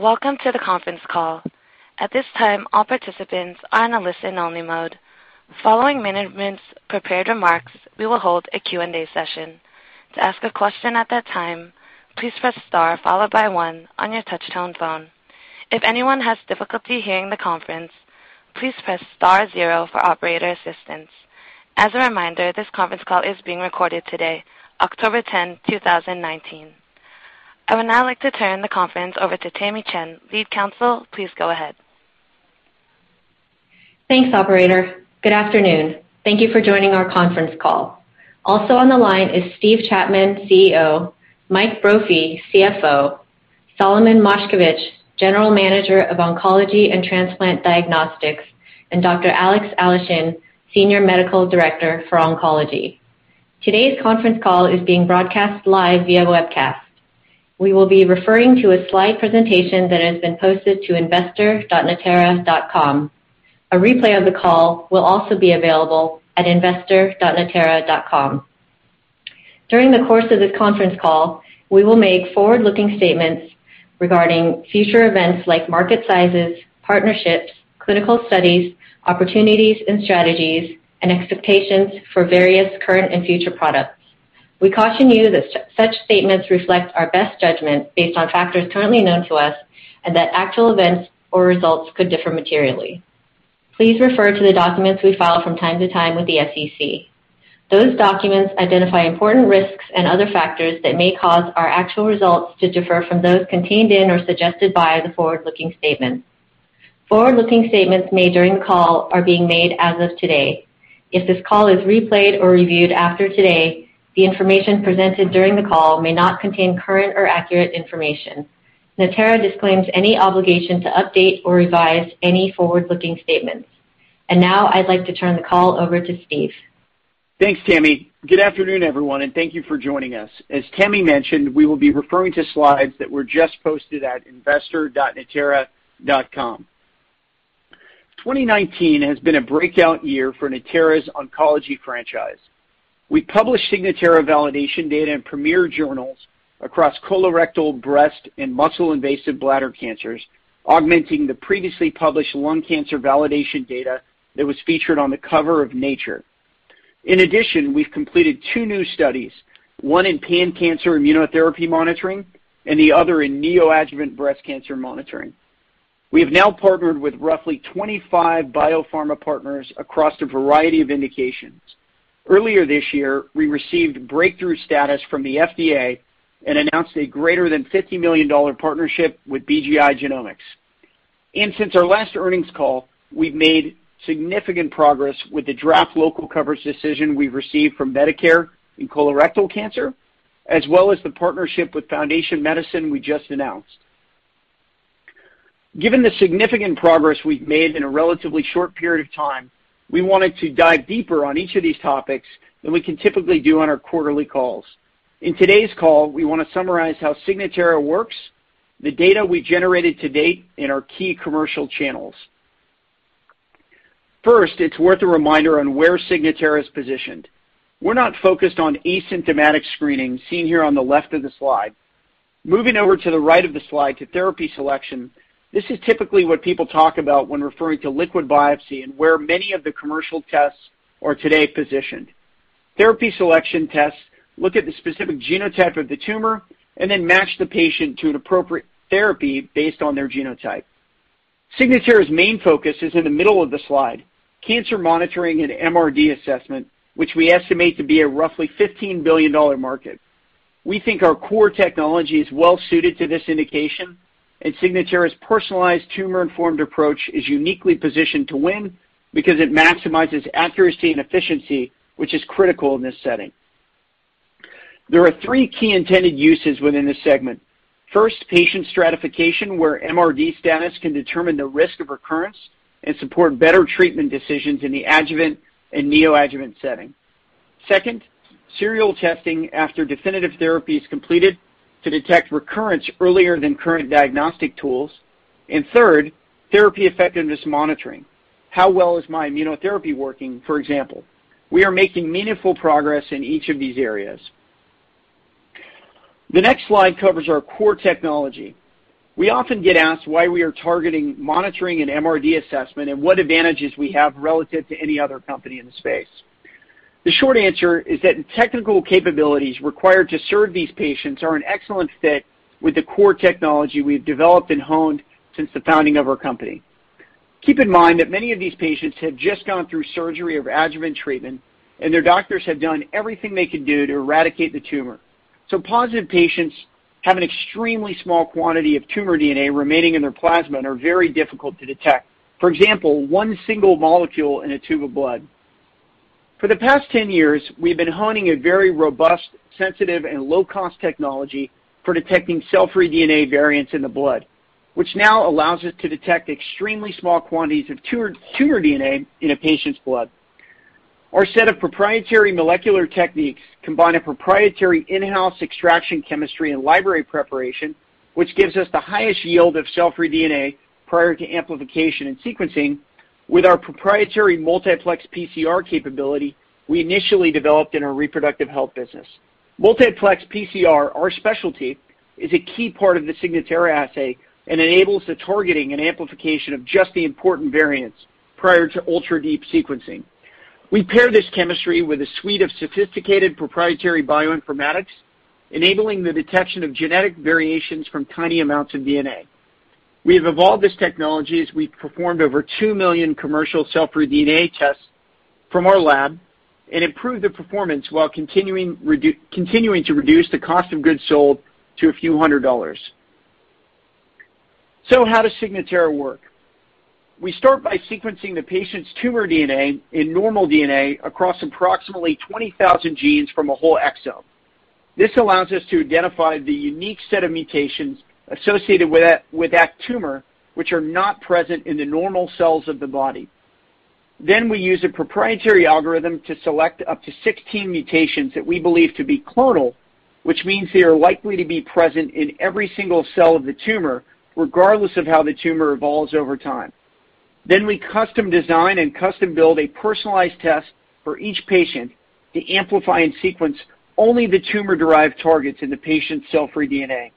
Welcome to the conference call. At this time, all participants are on a listen only mode. Following management's prepared remarks, we will hold a Q&A session. To ask a question at that time, please press star followed by one on your touch-tone phone. If anyone has difficulty hearing the conference, please press star zero for operator assistance. As a reminder, this conference call is being recorded today, October 10, 2019. I would now like to turn the conference over to Tammy Chen, Lead Counsel. Please go ahead. Thanks, operator. Good afternoon. Thank you for joining our conference call. Also on the line is Steve Chapman, CEO, Mike Brophy, CFO, Solomon Moshkevich, General Manager of Oncology and Transplant Diagnostics, and Dr. Alexey Aleshin, Senior Medical Director for Oncology. Today's conference call is being broadcast live via webcast. We will be referring to a slide presentation that has been posted to investor.natera.com. A replay of the call will also be available at investor.natera.com. During the course of this conference call, we will make forward-looking statements regarding future events like market sizes, partnerships, clinical studies, opportunities and strategies, and expectations for various current and future products. We caution you that such statements reflect our best judgment based on factors currently known to us, and that actual events or results could differ materially. Please refer to the documents we file from time to time with the SEC. Those documents identify important risks and other factors that may cause our actual results to differ from those contained in or suggested by the forward-looking statements. Forward-looking statements made during the call are being made as of today. If this call is replayed or reviewed after today, the information presented during the call may not contain current or accurate information. Natera disclaims any obligation to update or revise any forward-looking statements. Now I'd like to turn the call over to Steve. Thanks, Tammy. Good afternoon, everyone, and thank you for joining us. As Tammy mentioned, we will be referring to slides that were just posted at investor.natera.com. 2019 has been a breakout year for Natera's oncology franchise. We published Signatera validation data in premier journals across colorectal, breast and muscle-invasive bladder cancers, augmenting the previously published lung cancer validation data that was featured on the cover of Nature. In addition, we've completed two new studies, one in pan-cancer immunotherapy monitoring and the other in neoadjuvant breast cancer monitoring. We have now partnered with roughly 25 biopharma partners across a variety of indications. Earlier this year, we received Breakthrough status from the FDA and announced a greater than $50 million partnership with BGI Genomics. Since our last earnings call, we've made significant progress with the draft local coverage decision we received from Medicare in colorectal cancer, as well as the partnership with Foundation Medicine we just announced. Given the significant progress we've made in a relatively short period of time, we wanted to dive deeper on each of these topics than we can typically do on our quarterly calls. In today's call, we want to summarize how Signatera works, the data we generated to date, and our key commercial channels. First, it's worth a reminder on where Signatera is positioned. We're not focused on asymptomatic screening, seen here on the left of the slide. Moving over to the right of the slide to therapy selection, this is typically what people talk about when referring to liquid biopsy and where many of the commercial tests are today positioned. Therapy selection tests look at the specific genotype of the tumor and then match the patient to an appropriate therapy based on their genotype. Signatera's main focus is in the middle of the slide, cancer monitoring and MRD assessment, which we estimate to be a roughly $15 billion market. We think our core technology is well-suited to this indication, and Signatera's personalized tumor-informed approach is uniquely positioned to win because it maximizes accuracy and efficiency, which is critical in this setting. There are three key intended uses within this segment. First, patient stratification, where MRD status can determine the risk of recurrence and support better treatment decisions in the adjuvant and neoadjuvant setting. Second, serial testing after definitive therapy is completed to detect recurrence earlier than current diagnostic tools. Third, therapy effectiveness monitoring. How well is my immunotherapy working, for example? We are making meaningful progress in each of these areas. The next slide covers our core technology. We often get asked why we are targeting monitoring and MRD assessment and what advantages we have relative to any other company in the space. The short answer is that the technical capabilities required to serve these patients are an excellent fit with the core technology we've developed and honed since the founding of our company. Keep in mind that many of these patients have just gone through surgery or adjuvant treatment, and their doctors have done everything they can do to eradicate the tumor. Positive patients have an extremely small quantity of tumor DNA remaining in their plasma and are very difficult to detect. For example, one single molecule in a tube of blood. For the past 10 years, we've been honing a very robust, sensitive, and low-cost technology for detecting cell-free DNA variants in the blood, which now allows us to detect extremely small quantities of tumor DNA in a patient's blood. Our set of proprietary molecular techniques combine a proprietary in-house extraction chemistry and library preparation, which gives us the highest yield of cell-free DNA prior to amplification and sequencing. With our proprietary multiplex PCR capability, we initially developed in our reproductive health business. Multiplex PCR, our specialty, is a key part of the Signatera assay and enables the targeting and amplification of just the important variants prior to ultra-deep sequencing. We pair this chemistry with a suite of sophisticated proprietary bioinformatics, enabling the detection of genetic variations from tiny amounts of DNA. We have evolved this technology as we've performed over 2 million commercial cell-free DNA tests from our lab and improved the performance while continuing to reduce the cost of goods sold to a few hundred dollars. How does Signatera work? We start by sequencing the patient's tumor DNA and normal DNA across approximately 20,000 genes from a whole exome. This allows us to identify the unique set of mutations associated with that tumor, which are not present in the normal cells of the body. We use a proprietary algorithm to select up to 16 mutations that we believe to be clonal, which means they are likely to be present in every single cell of the tumor, regardless of how the tumor evolves over time. We custom design and custom build a personalized test for each patient to amplify and sequence only the tumor-derived targets in the patient's cell-free DNA.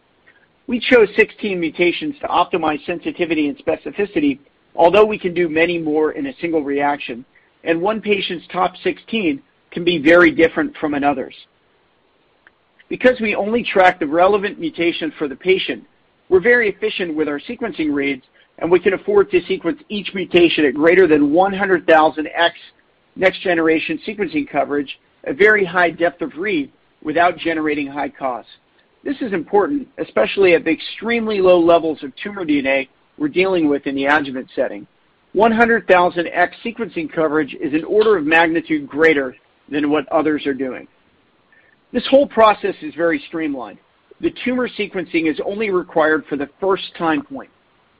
We chose 16 mutations to optimize sensitivity and specificity, although we can do many more in a single reaction, and one patient's top 16 can be very different from another's. Because we only track the relevant mutation for the patient, we're very efficient with our sequencing reads, and we can afford to sequence each mutation at greater than 100,000X Next Generation Sequencing coverage, a very high depth of read without generating high cost. This is important, especially at the extremely low levels of tumor DNA we're dealing with in the adjuvant setting. 100,000X sequencing coverage is an order of magnitude greater than what others are doing. This whole process is very streamlined. The tumor sequencing is only required for the first time point.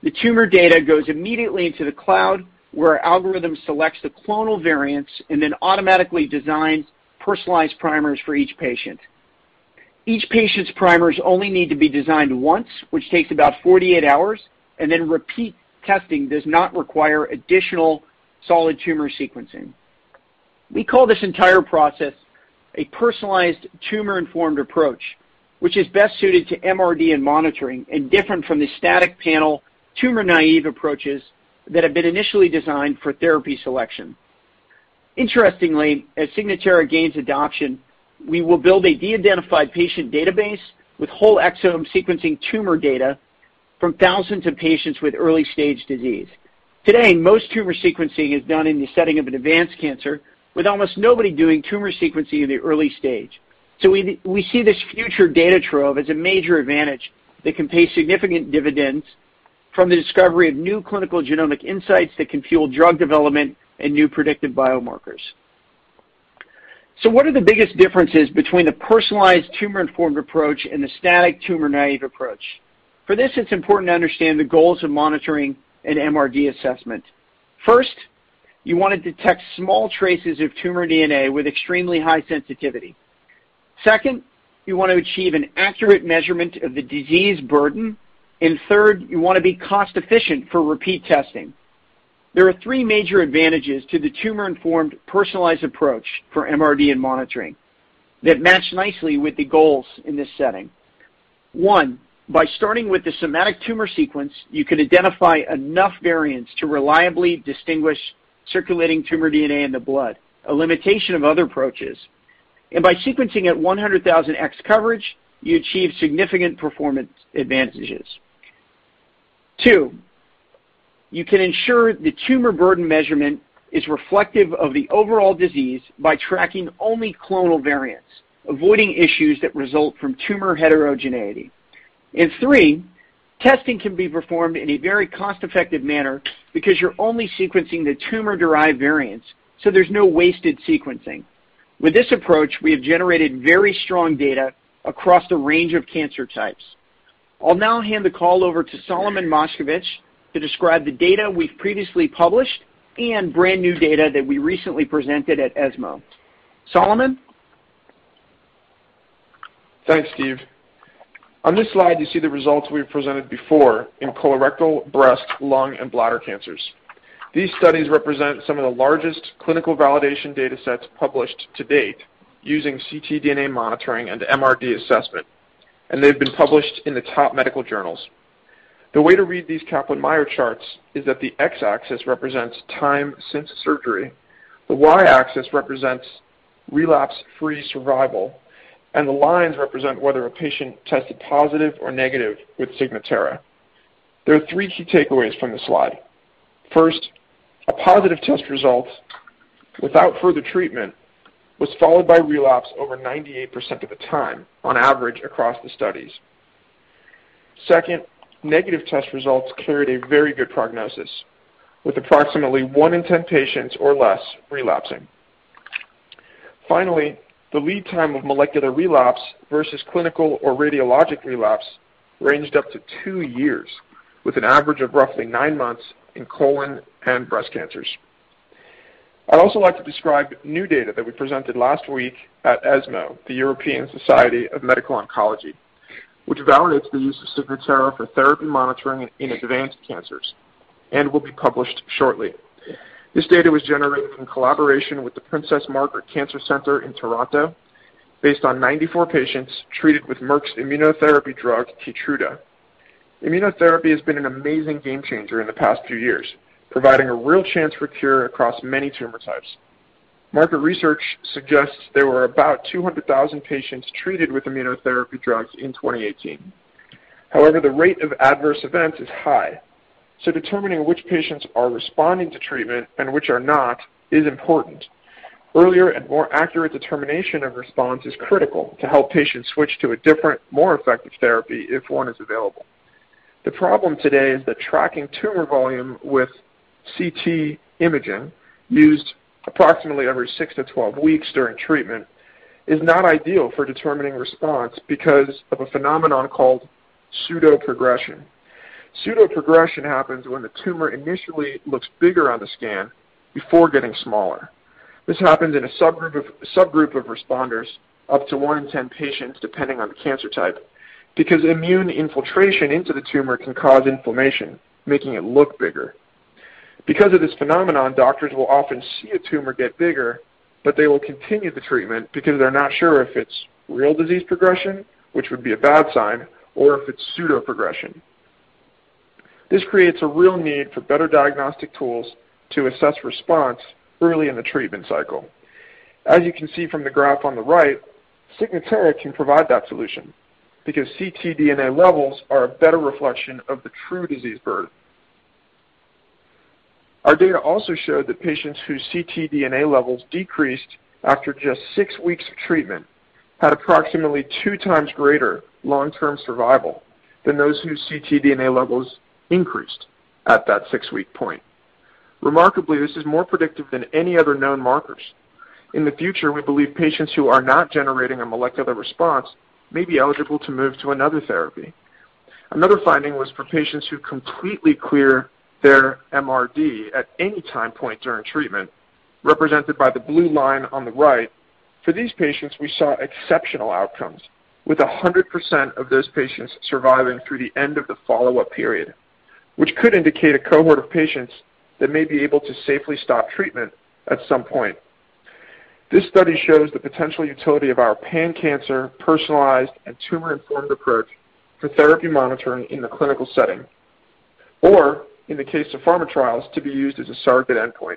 The tumor data goes immediately into the cloud, where our algorithm selects the clonal variants and then automatically designs personalized primers for each patient. Each patient's primers only need to be designed once, which takes about 48 hours, and then repeat testing does not require additional solid tumor sequencing. We call this entire process a personalized tumor-informed approach, which is best suited to MRD and monitoring and different from the static panel tumor-naive approaches that have been initially designed for therapy selection. Interestingly, as Signatera gains adoption, we will build a de-identified patient database with whole exome sequencing tumor data from thousands of patients with early-stage disease. Today, most tumor sequencing is done in the setting of an advanced cancer, with almost nobody doing tumor sequencing in the early stage. We see this future data trove as a major advantage that can pay significant dividends from the discovery of new clinical genomic insights that can fuel drug development and new predictive biomarkers. What are the biggest differences between the personalized tumor-informed approach and the static tumor-naive approach? For this, it's important to understand the goals of monitoring an MRD assessment. First, you want to detect small traces of tumor DNA with extremely high sensitivity. Second, you want to achieve an accurate measurement of the disease burden. Third, you want to be cost-efficient for repeat testing. There are three major advantages to the tumor-informed, personalized approach for MRD and monitoring that match nicely with the goals in this setting. One, by starting with the somatic tumor sequence, you can identify enough variants to reliably distinguish circulating tumor DNA in the blood, a limitation of other approaches. By sequencing at 100,000x coverage, you achieve significant performance advantages. Two, you can ensure the tumor burden measurement is reflective of the overall disease by tracking only clonal variants, avoiding issues that result from tumor heterogeneity. Three, testing can be performed in a very cost-effective manner because you're only sequencing the tumor-derived variants, so there's no wasted sequencing. With this approach, we have generated very strong data across a range of cancer types. I'll now hand the call over to Solomon Moshkevich to describe the data we've previously published and brand-new data that we recently presented at ESMO. Solomon? Thanks, Steve. On this slide, you see the results we've presented before in colorectal, breast, lung, and bladder cancers. These studies represent some of the largest clinical validation data sets published to date using ctDNA monitoring and MRD assessment, and they've been published in the top medical journals. The way to read these Kaplan-Meier charts is that the X-axis represents time since surgery, the Y-axis represents relapse-free survival, and the lines represent whether a patient tested positive or negative with Signatera. There are three key takeaways from this slide. First, a positive test result without further treatment was followed by relapse over 98% of the time on average across the studies. Second, negative test results carried a very good prognosis with approximately one in 10 patients or less relapsing. Finally, the lead time of molecular relapse versus clinical or radiologic relapse ranged up to 2 years, with an average of roughly nine months in colon and breast cancers. I'd also like to describe new data that we presented last week at ESMO, the European Society of Medical Oncology, which validates the use of Signatera for therapy monitoring in advanced cancers and will be published shortly. This data was generated in collaboration with the Princess Margaret Cancer Centre in Toronto based on 94 patients treated with Merck's immunotherapy drug, KEYTRUDA. Immunotherapy has been an amazing game changer in the past few years, providing a real chance for cure across many tumor types. Market research suggests there were about 200,000 patients treated with immunotherapy drugs in 2018. However, the rate of adverse events is high, so determining which patients are responding to treatment and which are not is important. Earlier and more accurate determination of response is critical to help patients switch to a different, more effective therapy if one is available. The problem today is that tracking tumor volume with CT imaging used approximately every 6-12 weeks during treatment is not ideal for determining response because of a phenomenon called pseudoprogression. Pseudoprogression happens when the tumor initially looks bigger on the scan before getting smaller. This happens in a subgroup of responders, up to one in 10 patients, depending on the cancer type, because immune infiltration into the tumor can cause inflammation, making it look bigger. Doctors will often see a tumor get bigger, but they will continue the treatment because they're not sure if it's real disease progression, which would be a bad sign, or if it's pseudoprogression. This creates a real need for better diagnostic tools to assess response early in the treatment cycle. As you can see from the graph on the right, Signatera can provide that solution because ctDNA levels are a better reflection of the true disease burden. Our data also showed that patients whose ctDNA levels decreased after just six weeks of treatment had approximately two times greater long-term survival than those whose ctDNA levels increased at that six-week point. Remarkably, this is more predictive than any other known markers. In the future, we believe patients who are not generating a molecular response may be eligible to move to another therapy. Another finding was for patients who completely clear their MRD at any time point during treatment, represented by the blue line on the right. For these patients, we saw exceptional outcomes, with 100% of those patients surviving through the end of the follow-up period, which could indicate a cohort of patients that may be able to safely stop treatment at some point. This study shows the potential utility of our pan-cancer, personalized, and tumor-informed approach to therapy monitoring in the clinical setting. In the case of pharma trials, to be used as a surrogate endpoint.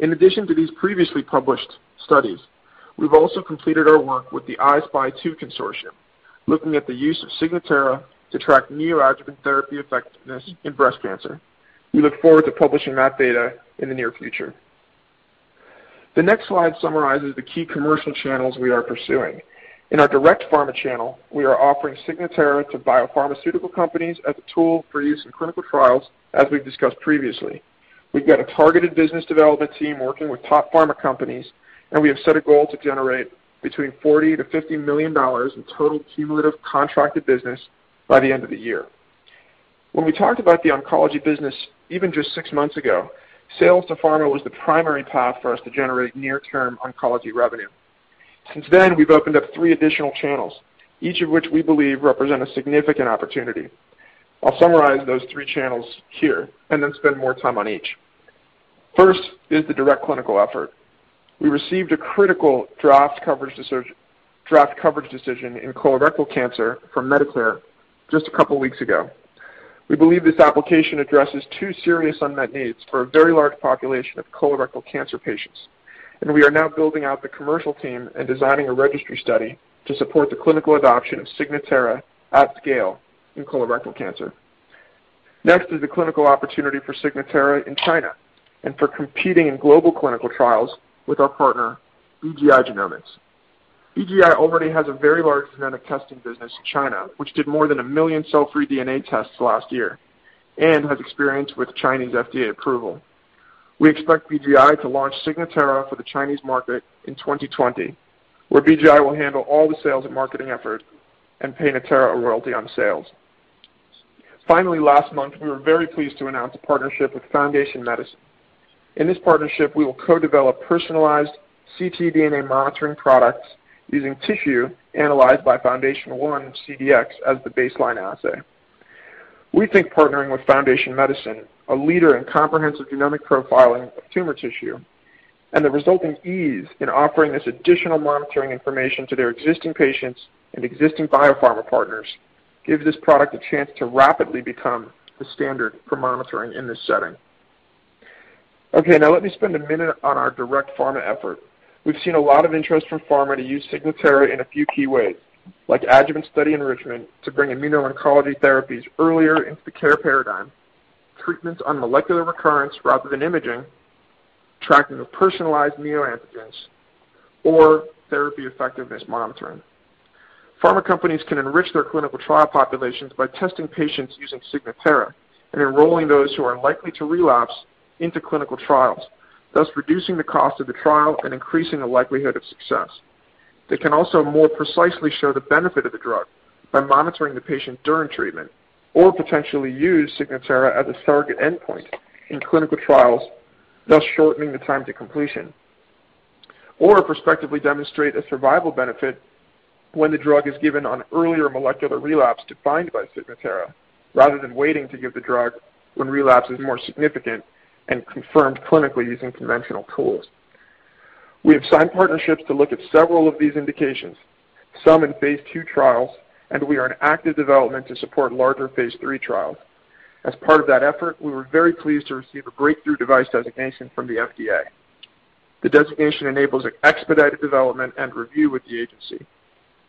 In addition to these previously published studies, we've also completed our work with the I-SPY 2 consortium, looking at the use of Signatera to track neoadjuvant therapy effectiveness in breast cancer. We look forward to publishing that data in the near future. The next slide summarizes the key commercial channels we are pursuing. In our direct pharma channel, we are offering Signatera to biopharmaceutical companies as a tool for use in clinical trials, as we've discussed previously. We've got a targeted business development team working with top pharma companies, and we have set a goal to generate between $40 million to $50 million in total cumulative contracted business by the end of the year. When we talked about the oncology business, even just six months ago, sales to pharma was the primary path for us to generate near-term oncology revenue. Since then, we've opened up three additional channels, each of which we believe represent a significant opportunity. I'll summarize those three channels here and then spend more time on each. First is the direct clinical effort. We received a critical draft coverage decision in colorectal cancer from Medicare just a couple of weeks ago. We believe this application addresses two serious unmet needs for a very large population of colorectal cancer patients, and we are now building out the commercial team and designing a registry study to support the clinical adoption of Signatera at scale in colorectal cancer. Next is the clinical opportunity for Signatera in China and for competing in global clinical trials with our partner, BGI Genomics. BGI already has a very large genomic testing business in China, which did more than a million cell-free DNA tests last year and has experience with Chinese FDA approval. We expect BGI to launch Signatera for the Chinese market in 2020, where BGI will handle all the sales and marketing effort and pay Natera a royalty on sales. Finally, last month, we were very pleased to announce a partnership with Foundation Medicine. In this partnership, we will co-develop personalized ctDNA monitoring products using tissue analyzed by FoundationOne CDx as the baseline assay. We think partnering with Foundation Medicine, a leader in Comprehensive Genomic Profiling of tumor tissue and the resulting ease in offering this additional monitoring information to their existing patients and existing biopharma partners, gives this product a chance to rapidly become the standard for monitoring in this setting. Now let me spend a minute on our direct pharma effort. We've seen a lot of interest from pharma to use Signatera in a few key ways, like adjuvant study enrichment to bring immuno-oncology therapies earlier into the care paradigm, treatments on molecular recurrence rather than imaging, tracking of personalized neoantigens, or therapy effectiveness monitoring. Pharma companies can enrich their clinical trial populations by testing patients using Signatera and enrolling those who are likely to relapse into clinical trials, thus reducing the cost of the trial and increasing the likelihood of success. They can also more precisely show the benefit of the drug by monitoring the patient during treatment, or potentially use Signatera as a surrogate endpoint in clinical trials, thus shortening the time to completion. Prospectively demonstrate a survival benefit when the drug is given on earlier molecular relapse defined by Signatera, rather than waiting to give the drug when relapse is more significant and confirmed clinically using conventional tools. We have signed partnerships to look at several of these indications, some in phase II trials, and we are in active development to support larger phase III trials. As part of that effort, we were very pleased to receive a Breakthrough Device designation from the FDA. The designation enables expedited development and review with the agency.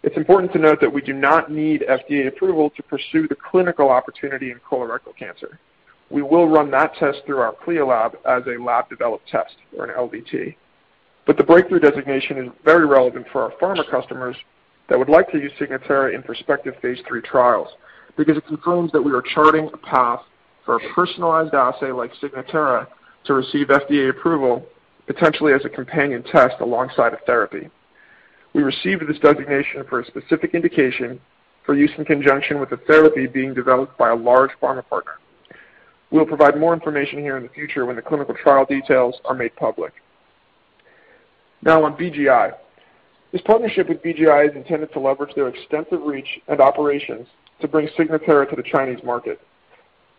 It's important to note that we do not need FDA approval to pursue the clinical opportunity in colorectal cancer. We will run that test through our CLIA lab as a lab-developed test, or an LDT. The breakthrough designation is very relevant for our pharma customers that would like to use Signatera in prospective phase III trials, because it confirms that we are charting a path for a personalized assay like Signatera to receive FDA approval, potentially as a companion test alongside a therapy. We received this designation for a specific indication for use in conjunction with a therapy being developed by a large pharma partner. We'll provide more information here in the future when the clinical trial details are made public. On BGI. This partnership with BGI is intended to leverage their extensive reach and operations to bring Signatera to the Chinese market.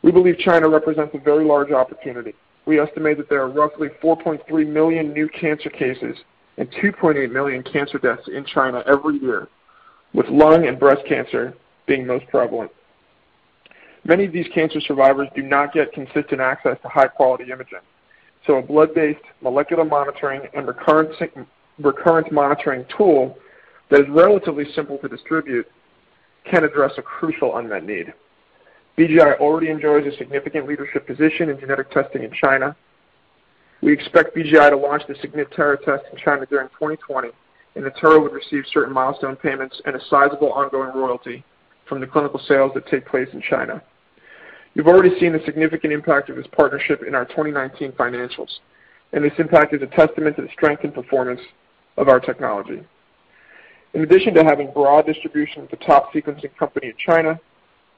We believe China represents a very large opportunity. We estimate that there are roughly 4.3 million new cancer cases and 2.8 million cancer deaths in China every year, with lung and breast cancer being most prevalent. Many of these cancer survivors do not get consistent access to high-quality imaging. A blood-based molecular monitoring and recurrence monitoring tool that is relatively simple to distribute can address a crucial unmet need. BGI already enjoys a significant leadership position in genetic testing in China. We expect BGI to launch the Signatera test in China during 2020, and Natera would receive certain milestone payments and a sizable ongoing royalty from the clinical sales that take place in China. You've already seen the significant impact of this partnership in our 2019 financials, and this impact is a testament to the strength and performance of our technology. In addition to having broad distribution with the top sequencing company in China,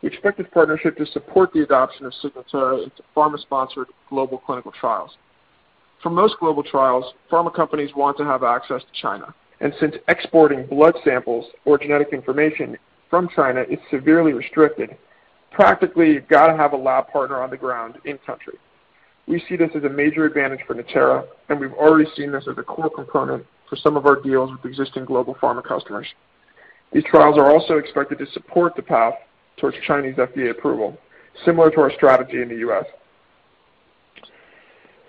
we expect this partnership to support the adoption of Signatera into pharma-sponsored global clinical trials. For most global trials, pharma companies want to have access to China, and since exporting blood samples or genetic information from China is severely restricted, practically, you've got to have a lab partner on the ground in-country. We see this as a major advantage for Natera, and we've already seen this as a core component for some of our deals with existing global pharma customers. These trials are also expected to support the path towards Chinese FDA approval, similar to our strategy in the U.S.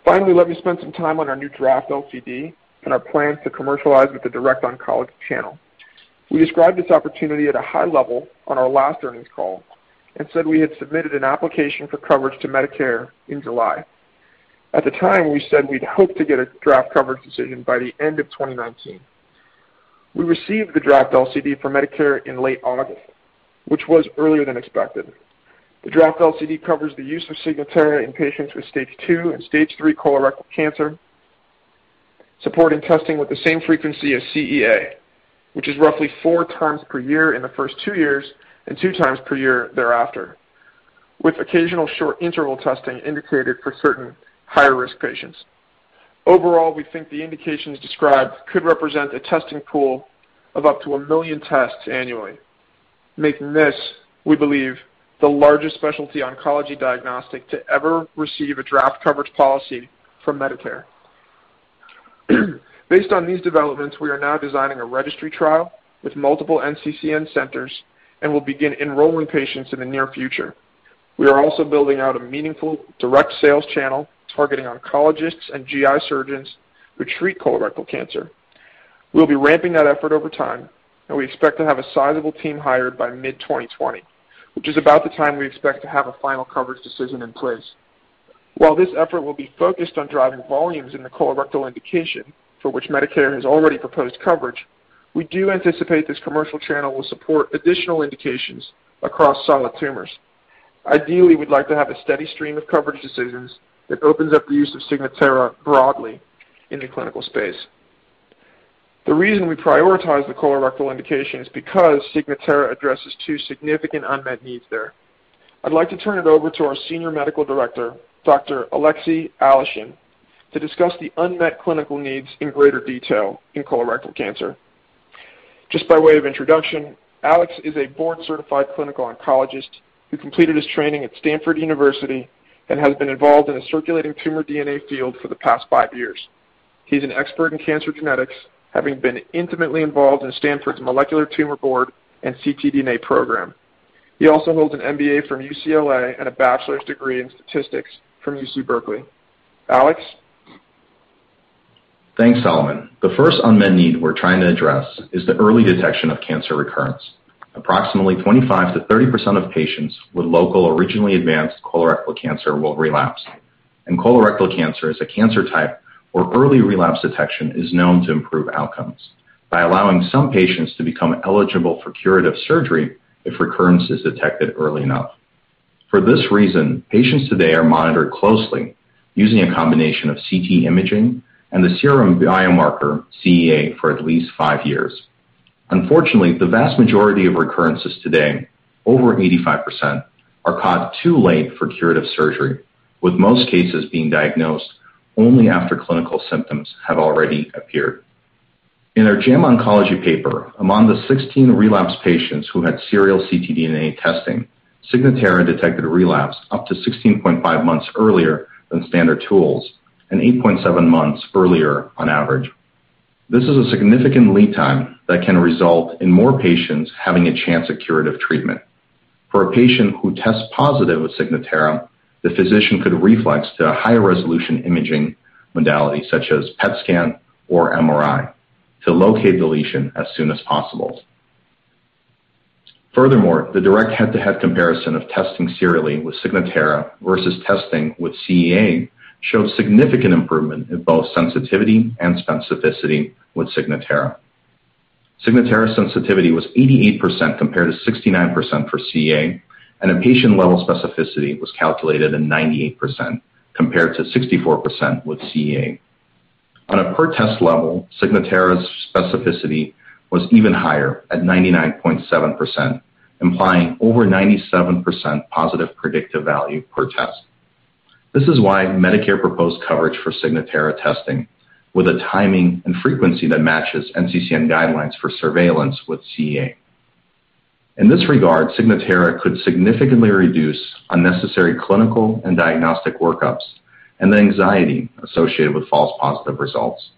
Finally, let me spend some time on our new draft LCD and our plans to commercialize with the direct oncology channel. We described this opportunity at a high level on our last earnings call and said we had submitted an application for coverage to Medicare in July. At the time, we said we'd hope to get a draft coverage decision by the end of 2019. We received the draft LCD for Medicare in late August, which was earlier than expected. The draft LCD covers the use of Signatera in patients with stage 2 and stage 3 colorectal cancer, supporting testing with the same frequency as CEA, which is roughly four times per year in the first two years and two times per year thereafter, with occasional short interval testing indicated for certain higher-risk patients. Overall, we think the indications described could represent a testing pool of up to 1 million tests annually, making this, we believe, the largest specialty oncology diagnostic to ever receive a draft coverage policy from Medicare. Based on these developments, we are now designing a registry trial with multiple NCCN centers and will begin enrolling patients in the near future. We are also building out a meaningful direct sales channel targeting oncologists and GI surgeons who treat colorectal cancer. We'll be ramping that effort over time, and we expect to have a sizable team hired by mid-2020, which is about the time we expect to have a final coverage decision in place. While this effort will be focused on driving volumes in the colorectal indication for which Medicare has already proposed coverage, we do anticipate this commercial channel will support additional indications across solid tumors. Ideally, we'd like to have a steady stream of coverage decisions that opens up the use of Signatera broadly in the clinical space. The reason we prioritize the colorectal indication is because Signatera addresses two significant unmet needs there. I'd like to turn it over to our Senior Medical Director, Dr. Alexey Aleshin, to discuss the unmet clinical needs in greater detail in colorectal cancer. Just by way of introduction, Alex is a board-certified clinical oncologist who completed his training at Stanford University and has been involved in the circulating tumor DNA field for the past five years. He's an expert in cancer genetics, having been intimately involved in Stanford's molecular tumor board and ctDNA program. He also holds an MBA from UCLA and a bachelor's degree in statistics from UC Berkeley. Alex? Thanks, Solomon. The first unmet need we're trying to address is the early detection of cancer recurrence. Approximately 25%-30% of patients with local or regionally advanced colorectal cancer will relapse. Colorectal cancer is a cancer type where early relapse detection is known to improve outcomes by allowing some patients to become eligible for curative surgery if recurrence is detected early enough. For this reason, patients today are monitored closely using a combination of CT imaging and the serum biomarker CEA for at least five years. Unfortunately, the vast majority of recurrences today, over 85%, are caught too late for curative surgery, with most cases being diagnosed only after clinical symptoms have already appeared. In our JAMA Oncology paper, among the 16 relapse patients who had serial ctDNA testing, Signatera detected a relapse up to 16.5 months earlier than standard tools, and 8.7 months earlier on average. This is a significant lead time that can result in more patients having a chance at curative treatment. For a patient who tests positive with Signatera, the physician could reflex to a higher resolution imaging modality, such as PET scan or MRI, to locate the lesion as soon as possible. Furthermore, the direct head-to-head comparison of testing serially with Signatera versus testing with CEA showed significant improvement in both sensitivity and specificity with Signatera. Signatera sensitivity was 88% compared to 69% for CEA, and a patient-level specificity was calculated at 98%, compared to 64% with CEA. On a per-test level, Signatera's specificity was even higher at 99.7%, implying over 97% positive predictive value per test. This is why Medicare proposed coverage for Signatera testing with a timing and frequency that matches NCCN guidelines for surveillance with CEA. In this regard, Signatera could significantly reduce unnecessary clinical and diagnostic work-ups and the anxiety associated with false positive results.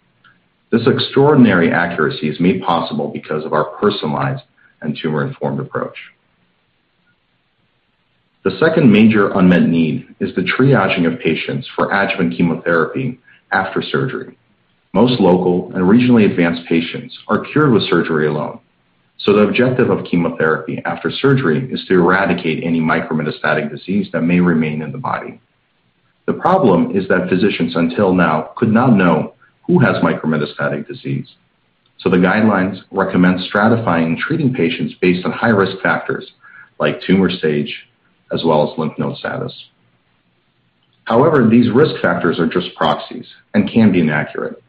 This extraordinary accuracy is made possible because of our personalized and tumor-informed approach. The second major unmet need is the triaging of patients for adjuvant chemotherapy after surgery. Most local and regionally advanced patients are cured with surgery alone. The objective of chemotherapy after surgery is to eradicate any micrometastatic disease that may remain in the body. The problem is that physicians, until now, could not know who has micrometastatic disease. The guidelines recommend stratifying and treating patients based on high risk factors like tumor stage as well as lymph node status. However, these risk factors are just proxies and can be inaccurate.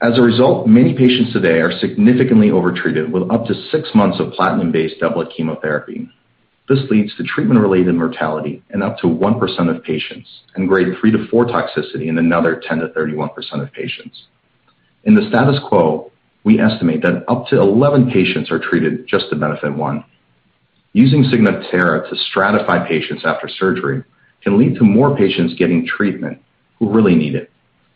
As a result, many patients today are significantly over-treated with up to 6 months of platinum-based doublet chemotherapy. This leads to treatment-related mortality in up to 1% of patients and grade 3 to 4 toxicity in another 10%-31% of patients. In the status quo, we estimate that up to 11 patients are treated just to benefit one. Using Signatera to stratify patients after surgery can lead to more patients getting treatment who really need it,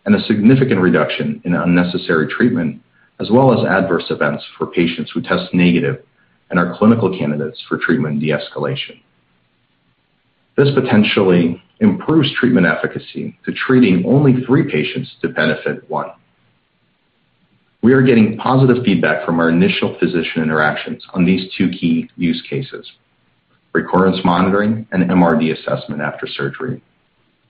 and a significant reduction in unnecessary treatment, as well as adverse events for patients who test negative and are clinical candidates for treatment de-escalation. This potentially improves treatment efficacy to treating only three patients to benefit one. We are getting positive feedback from our initial physician interactions on these two key use cases, recurrence monitoring and MRD assessment after surgery,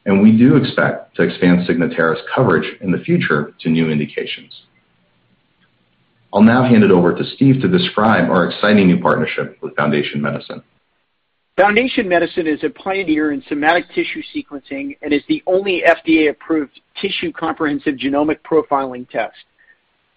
and we do expect to expand Signatera's coverage in the future to new indications. I'll now hand it over to Steve to describe our exciting new partnership with Foundation Medicine. Foundation Medicine is a pioneer in somatic tissue sequencing and is the only FDA-approved tissue comprehensive genomic profiling test.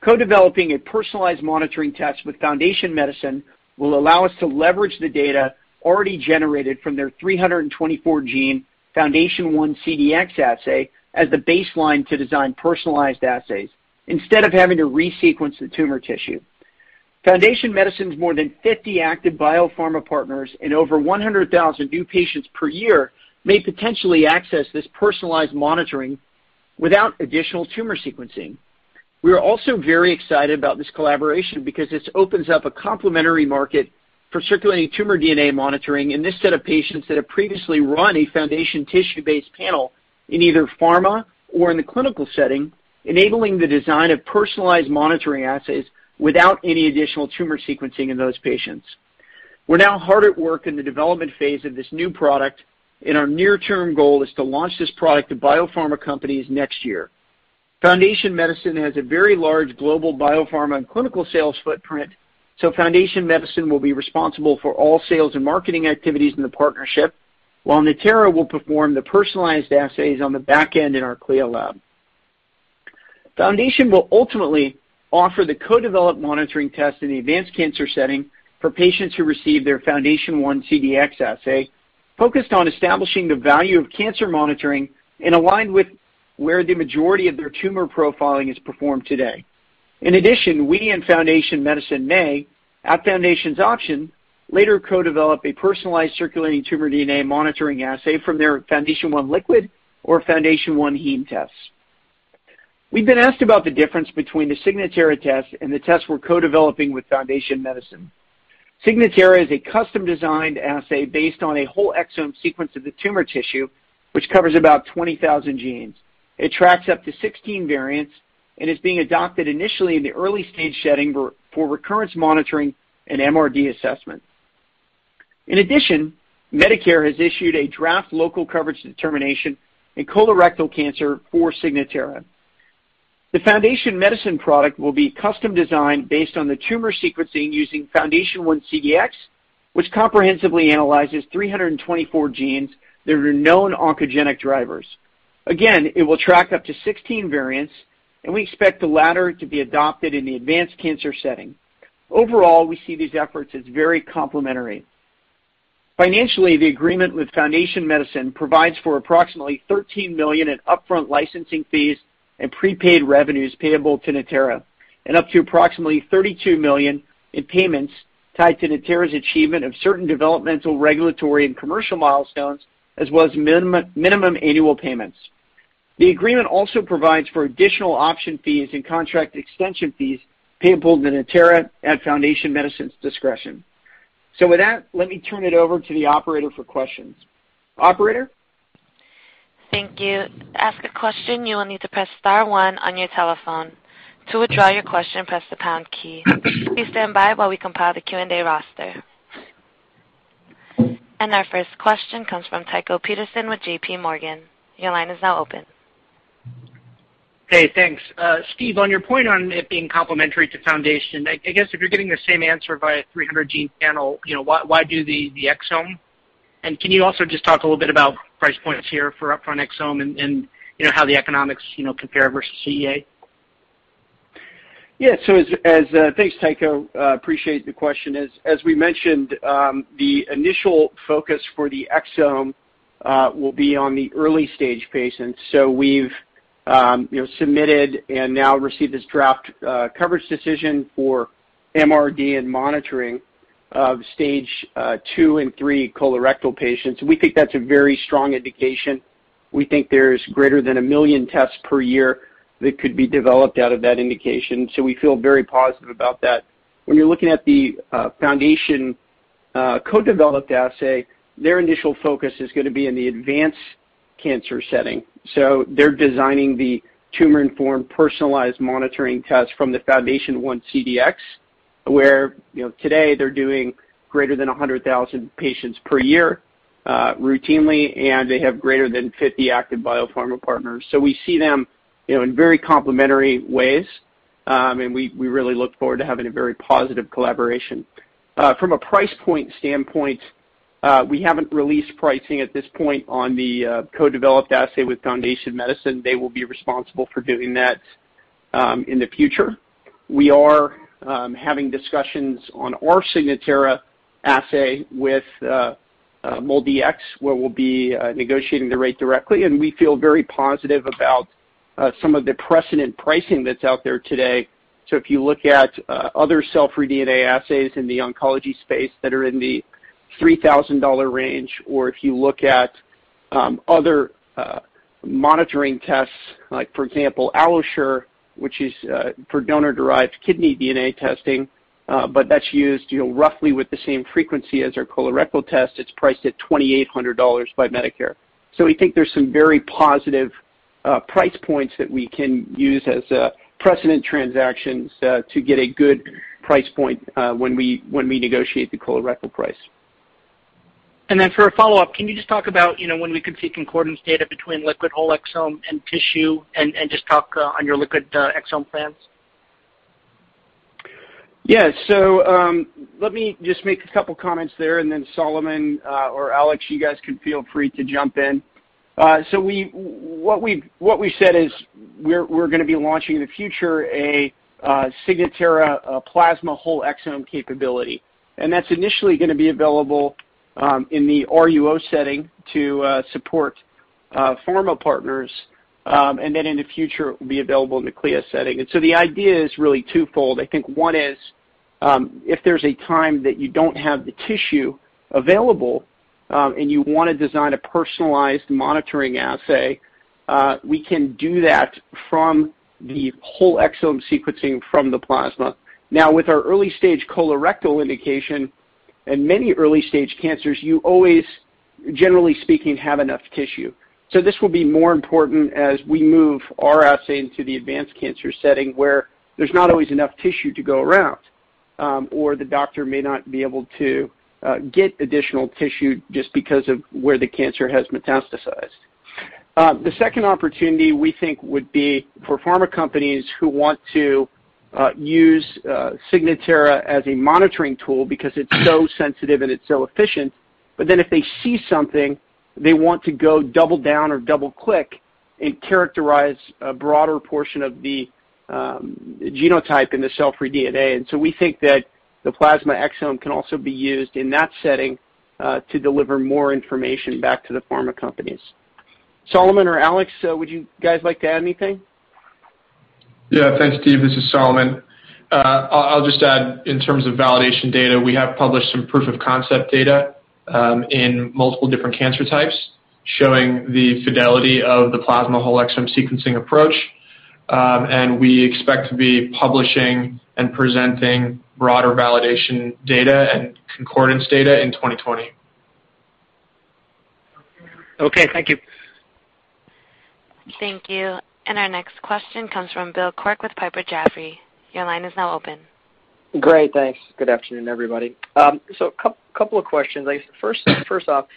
Co-developing a personalized monitoring test with Foundation Medicine will allow us to leverage the data already generated from their 324-gene FoundationOne CDx assay as the baseline to design personalized assays, instead of having to resequence the tumor tissue. Foundation Medicine's more than 50 active biopharma partners and over 100,000 new patients per year may potentially access this personalized monitoring without additional tumor sequencing. We are also very excited about this collaboration because this opens up a complementary market for circulating tumor DNA monitoring in this set of patients that have previously run a Foundation tissue-based panel in either pharma or in the clinical setting, enabling the design of personalized monitoring assays without any additional tumor sequencing in those patients. We're now hard at work in the development phase of this new product, and our near-term goal is to launch this product to biopharma companies next year. Foundation Medicine has a very large global biopharma and clinical sales footprint, so Foundation Medicine will be responsible for all sales and marketing activities in the partnership, while Natera will perform the personalized assays on the back end in our CLIA lab. Foundation will ultimately offer the co-developed monitoring test in the advanced cancer setting for patients who receive their FoundationOne CDx assay, focused on establishing the value of cancer monitoring and aligned with where the majority of their tumor profiling is performed today. In addition, we and Foundation Medicine may, at Foundation's option, later co-develop a personalized circulating tumor DNA monitoring assay from their FoundationOne Liquid or FoundationOne Heme tests. We've been asked about the difference between the Signatera test and the test we're co-developing with Foundation Medicine. Signatera is a custom-designed assay based on a whole exome sequence of the tumor tissue, which covers about 20,000 genes. It tracks up to 16 variants and is being adopted initially in the early stage setting for recurrence monitoring and MRD assessment. Medicare has issued a draft local coverage determination in colorectal cancer for Signatera. The Foundation Medicine product will be custom designed based on the tumor sequencing using FoundationOne CDx, which comprehensively analyzes 324 genes that are known oncogenic drivers. It will track up to 16 variants, and we expect the latter to be adopted in the advanced cancer setting. We see these efforts as very complementary. Financially, the agreement with Foundation Medicine provides for approximately $13 million in upfront licensing fees and prepaid revenues payable to Natera, and up to approximately $32 million in payments tied to Natera's achievement of certain developmental, regulatory, and commercial milestones, as well as minimum annual payments. The agreement also provides for additional option fees and contract extension fees payable to Natera at Foundation Medicine's discretion. With that, let me turn it over to the operator for questions. Operator? Thank you. To ask a question, you will need to press star one on your telephone. To withdraw your question, press the pound key. Please stand by while we compile the Q&A roster. Our first question comes from Tycho Peterson with J.P. Morgan. Your line is now open. Hey, thanks. Steve, on your point on it being complementary to Foundation, I guess if you're getting the same answer by a 300-gene panel, why do the exome? Can you also just talk a little bit about price points here for upfront exome and how the economics compare versus CEA? Yeah. Thanks, Tycho. Appreciate the question. As we mentioned, the initial focus for the exome will be on the early-stage patients. We've submitted and now received this draft coverage decision for MRD and monitoring of stage 2 and 3 colorectal patients. We think that's a very strong indication. We think there's greater than 1 million tests per year that could be developed out of that indication. We feel very positive about that. When you're looking at the Foundation co-developed assay, their initial focus is going to be in the advanced cancer setting. They're designing the tumor-informed personalized monitoring test from the FoundationOne CDx, where today they're doing greater than 100,000 patients per year routinely, and they have greater than 50 active biopharma partners. We really look forward to having a very positive collaboration. From a price point standpoint, we haven't released pricing at this point on the co-developed assay with Foundation Medicine. They will be responsible for doing that in the future. We are having discussions on our Signatera assay with MolDX, where we'll be negotiating the rate directly, and we feel very positive about some of the precedent pricing that's out there today. If you look at other cell-free DNA assays in the oncology space that are in the $3,000 range, or if you look at other monitoring tests, like, for example, AlloSure, which is for donor-derived kidney DNA testing, but that's used roughly with the same frequency as our colorectal test. It's priced at $2,800 by Medicare. We think there's some very positive price points that we can use as precedent transactions to get a good price point when we negotiate the colorectal price. Then for a follow-up, can you just talk about when we could see concordance data between liquid whole exome and tissue and just talk on your liquid exome plans? Yeah. Let me just make a couple of comments there, and then Solomon or Alex, you guys can feel free to jump in. What we've said is we're going to be launching in the future a Signatera plasma whole exome capability, and that's initially going to be available in the RUO setting to support pharma partners. Then in the future, it will be available in the CLIA setting. The idea is really twofold. I think one is, if there's a time that you don't have the tissue available and you want to design a personalized monitoring assay, we can do that from the whole exome sequencing from the plasma. With our early-stage colorectal indication and many early-stage cancers, you always, generally speaking, have enough tissue. This will be more important as we move our assay into the advanced cancer setting, where there's not always enough tissue to go around, or the doctor may not be able to get additional tissue just because of where the cancer has metastasized. The second opportunity we think would be for pharma companies who want to use Signatera as a monitoring tool because it's so sensitive and it's so efficient, if they see something, they want to go double down or double-click and characterize a broader portion of the genotype in the cell-free DNA. We think that the plasma exome can also be used in that setting to deliver more information back to the pharma companies. Solomon or Alex, would you guys like to add anything? Yeah. Thanks, Steve. This is Solomon. I'll just add in terms of validation data, we have published some proof of concept data in multiple different cancer types showing the fidelity of the plasma whole exome sequencing approach, and we expect to be publishing and presenting broader validation data and concordance data in 2020. Okay. Thank you. Thank you. Our next question comes from Bill Quirk with Piper Jaffray. Your line is now open. Great. Thanks. Good afternoon, everybody. A couple of questions. First off,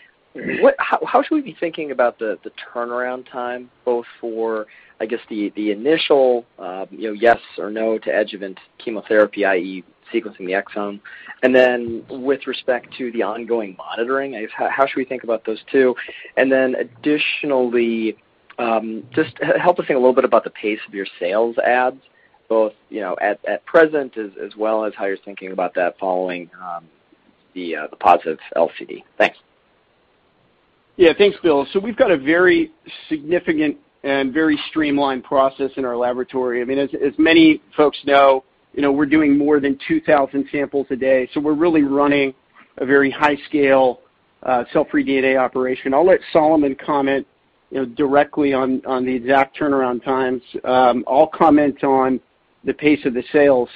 how should we be thinking about the turnaround time, both for, I guess, the initial yes or no to adjuvant chemotherapy, i.e., sequencing the exome? With respect to the ongoing monitoring, how should we think about those two? Additionally, just help us think a little bit about the pace of your sales adds, both at present as well as how you're thinking about that following the positive LCD. Thanks. Yeah, thanks, Bill. We've got a very significant and very streamlined process in our laboratory. As many folks know, we're doing more than 2,000 samples a day. We're really running a very high scale cell-free DNA operation. I'll let Solomon comment directly on the exact turnaround times. I'll comment on the pace of the sale.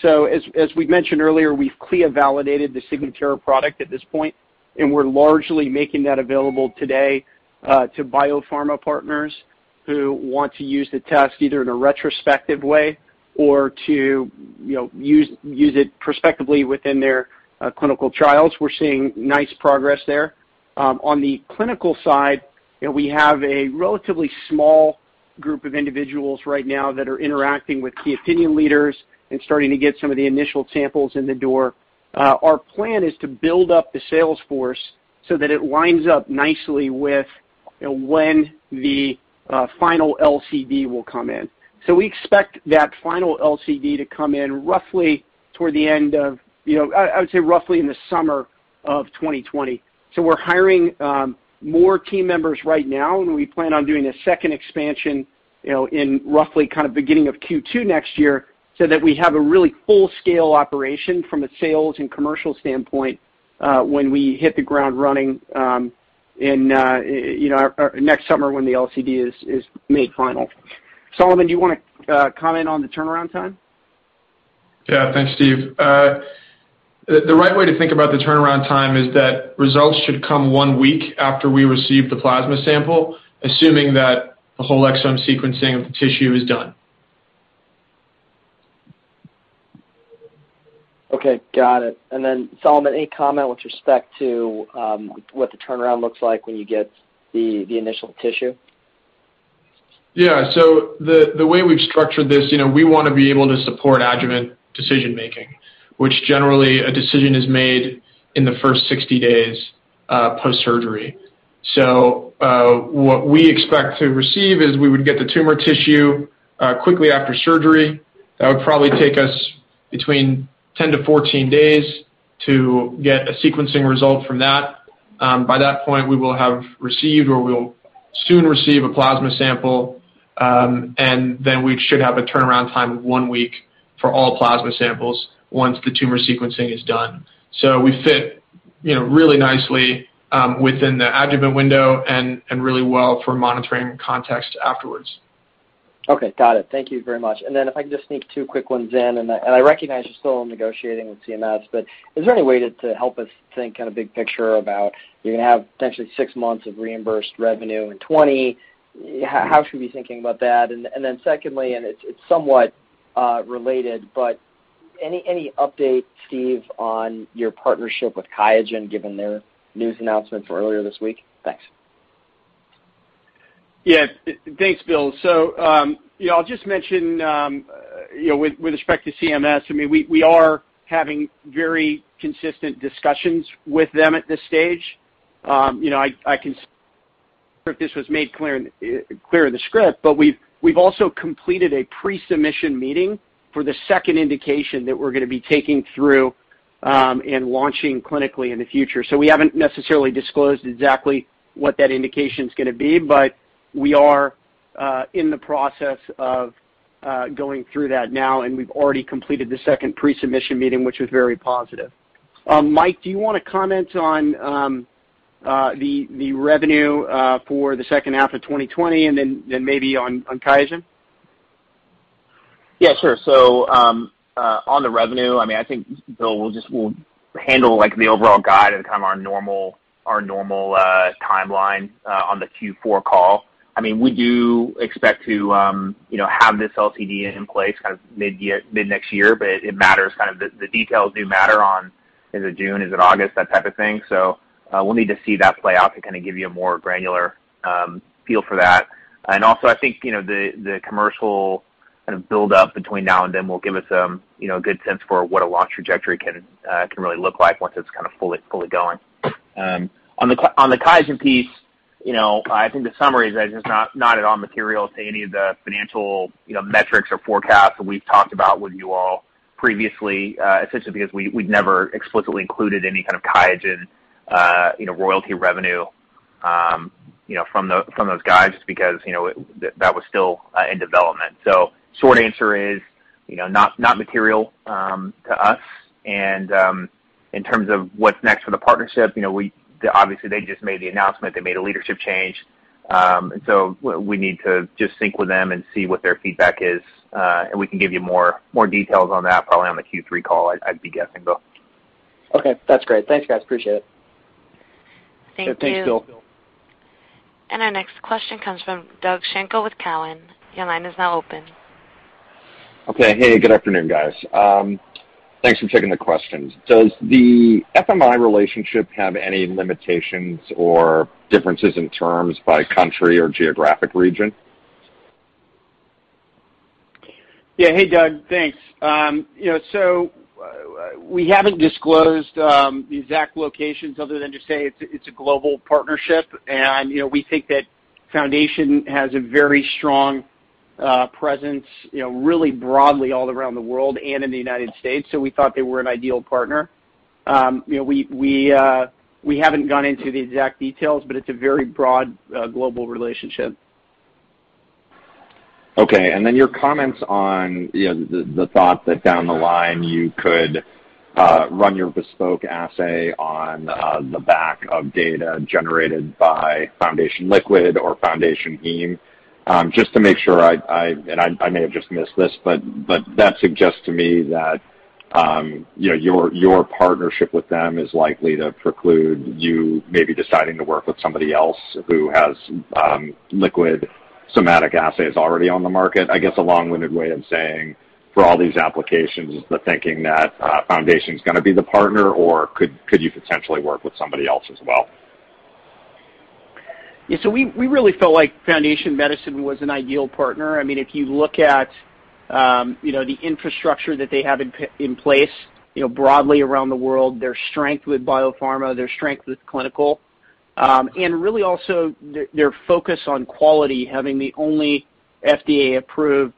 As we mentioned earlier, we've CLIA-validated the Signatera product at this point, and we're largely making that available today to biopharma partners who want to use the test either in a retrospective way or to use it prospectively within their clinical trials. We're seeing nice progress there. On the clinical side, we have a relatively small group of individuals right now that are interacting with key opinion leaders and starting to get some of the initial samples in the door. Our plan is to build up the sales force so that it lines up nicely with when the final LCD will come in. We expect that final LCD to come in roughly, I would say, roughly in the summer of 2020. We're hiring more team members right now, and we plan on doing a second expansion in roughly kind of beginning of Q2 next year so that we have a really full scale operation from a sales and commercial standpoint when we hit the ground running next summer when the LCD is made final. Solomon, do you want to comment on the turnaround time? Yeah. Thanks, Steve. The right way to think about the turnaround time is that results should come one week after we receive the plasma sample, assuming that the whole exome sequencing of the tissue is done. Okay. Got it. Solomon, any comment with respect to what the turnaround looks like when you get the initial tissue? Yeah. The way we've structured this, we want to be able to support adjuvant decision-making, which generally a decision is made in the first 60 days post-surgery. What we expect to receive is we would get the tumor tissue quickly after surgery. That would probably take us between 10 to 14 days to get a sequencing result from that. By that point, we will have received, or we'll soon receive a plasma sample, and then we should have a turnaround time of one week for all plasma samples once the tumor sequencing is done. We fit really nicely within the adjuvant window and really well for monitoring context afterwards. Okay. Got it. Thank you very much. If I can just sneak two quick ones in, and I recognize you're still negotiating with CMS, but is there any way to help us think kind of big picture about you're going to have potentially 6 months of reimbursed revenue in 2020? How should we be thinking about that? Secondly, and it's somewhat related, but any update, Steve, on your partnership with Qiagen, given their news announcement earlier this week? Thanks, Bill. I'll just mention with respect to CMS, we are having very consistent discussions with them at this stage. If this was made clear in the script, but we've also completed a pre-submission meeting for the second indication that we're going to be taking through and launching clinically in the future. We haven't necessarily disclosed exactly what that indication's going to be, but we are in the process of going through that now, and we've already completed the second pre-submission meeting, which was very positive. Mike, do you want to comment on the revenue for the second half of 2020 and then maybe on Qiagen? Yeah, sure. On the revenue, I think, Bill, we'll handle the overall guide in kind of our normal timeline on the Q4 call. We do expect to have this LCD in place mid-next year, but the details do matter on, is it June, is it August, that type of thing. We'll need to see that play out to kind of give you a more granular feel for that. Also, I think, the commercial buildup between now and then will give us a good sense for what a launch trajectory can really look like once it's fully going. On the Qiagen piece, I think the summary is that it's not at all material to any of the financial metrics or forecasts that we've talked about with you all previously, essentially because we've never explicitly included any kind of Qiagen royalty revenue from those guides because that was still in development. Short answer is, not material to us. In terms of what's next for the partnership, obviously they just made the announcement, they made a leadership change. We need to just sync with them and see what their feedback is. We can give you more details on that probably on the Q3 call, I'd be guessing, Bill. Okay. That's great. Thanks, guys. Appreciate it. Thank you. Yeah. Thanks, Bill. Our next question comes from Doug Schenkel with Cowen. Your line is now open. Okay. Hey, good afternoon, guys. Thanks for taking the questions. Does the FMI relationship have any limitations or differences in terms by country or geographic region? Yeah. Hey, Doug. Thanks. We haven't disclosed the exact locations other than just say it's a global partnership. We think that Foundation has a very strong presence really broadly all around the world and in the United States, so we thought they were an ideal partner. We haven't gone into the exact details, but it's a very broad global relationship. Your comments on the thought that down the line you could run your bespoke assay on the back of data generated by Foundation Liquid or Foundation Heme. Just to make sure, and I may have just missed this, that suggests to me that your partnership with them is likely to preclude you maybe deciding to work with somebody else who has liquid somatic assays already on the market. I guess a long-winded way of saying, for all these applications, is the thinking that Foundation's going to be the partner, or could you potentially work with somebody else as well? Yeah, we really felt like Foundation Medicine was an ideal partner. If you look at the infrastructure that they have in place broadly around the world, their strength with biopharma, their strength with clinical, and really also their focus on quality, having the only FDA-approved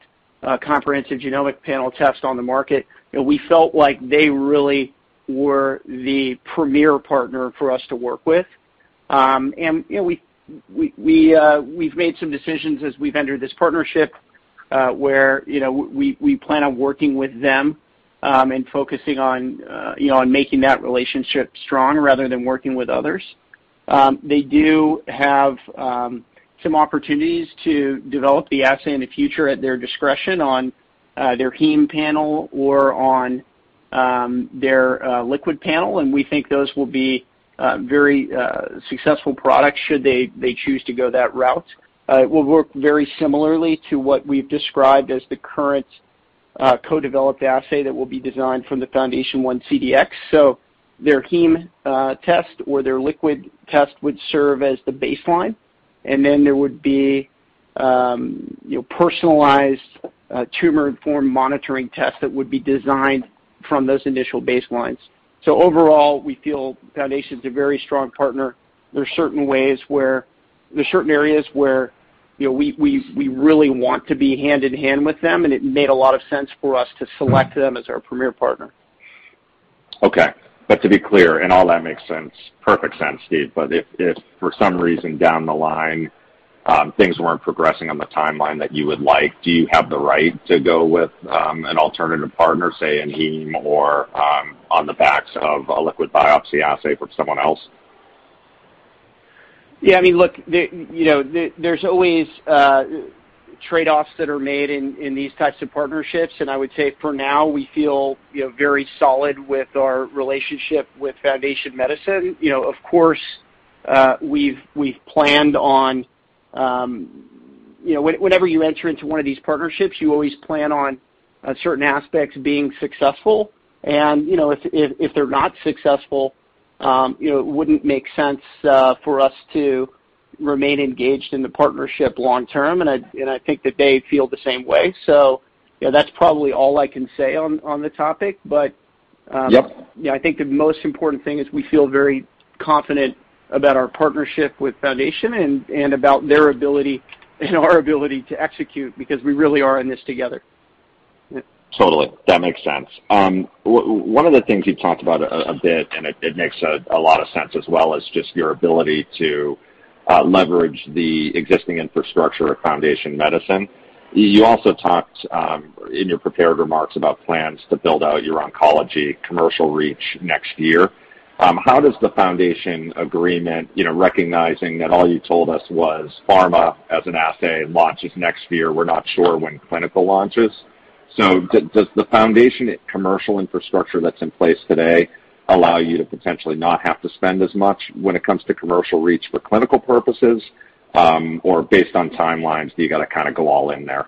comprehensive genomic panel test on the market. We felt like they really were the premier partner for us to work with. We've made some decisions as we've entered this partnership where we plan on working with them and focusing on making that relationship strong rather than working with others. They do have some opportunities to develop the assay in the future at their discretion on their Heme panel or on their Liquid panel, and we think those will be very successful products, should they choose to go that route. It will work very similarly to what we've described as the current co-developed assay that will be designed from the FoundationOne CDx. Their Heme test or their Liquid test would serve as the baseline, and then there would be personalized tumor-informed monitoring tests that would be designed from those initial baselines. Overall, we feel Foundation's a very strong partner. There are certain areas where we really want to be hand-in-hand with them, and it made a lot of sense for us to select them as our premier partner. Okay. To be clear, and all that makes sense, perfect sense, Steve, if for some reason down the line things weren't progressing on the timeline that you would like, do you have the right to go with an alternative partner, say in heme or on the backs of a liquid biopsy assay from someone else? Look, there's always trade-offs that are made in these types of partnerships, and I would say for now, we feel very solid with our relationship with Foundation Medicine. Of course, whenever you enter into one of these partnerships, you always plan on certain aspects being successful. If they're not successful, it wouldn't make sense for us to remain engaged in the partnership long term, and I think that they feel the same way. That's probably all I can say on the topic. Yep I think the most important thing is we feel very confident about our partnership with Foundation and about their ability and our ability to execute because we really are in this together. Totally. That makes sense. One of the things you talked about a bit, and it makes a lot of sense as well, is just your ability to leverage the existing infrastructure of Foundation Medicine. You also talked in your prepared remarks about plans to build out your oncology commercial reach next year. How does the Foundation agreement, recognizing that all you told us was pharma as an assay launches next year, we're not sure when clinical launches. Does the Foundation commercial infrastructure that's in place today allow you to potentially not have to spend as much when it comes to commercial reach for clinical purposes, or based on timelines, do you got to go all in there?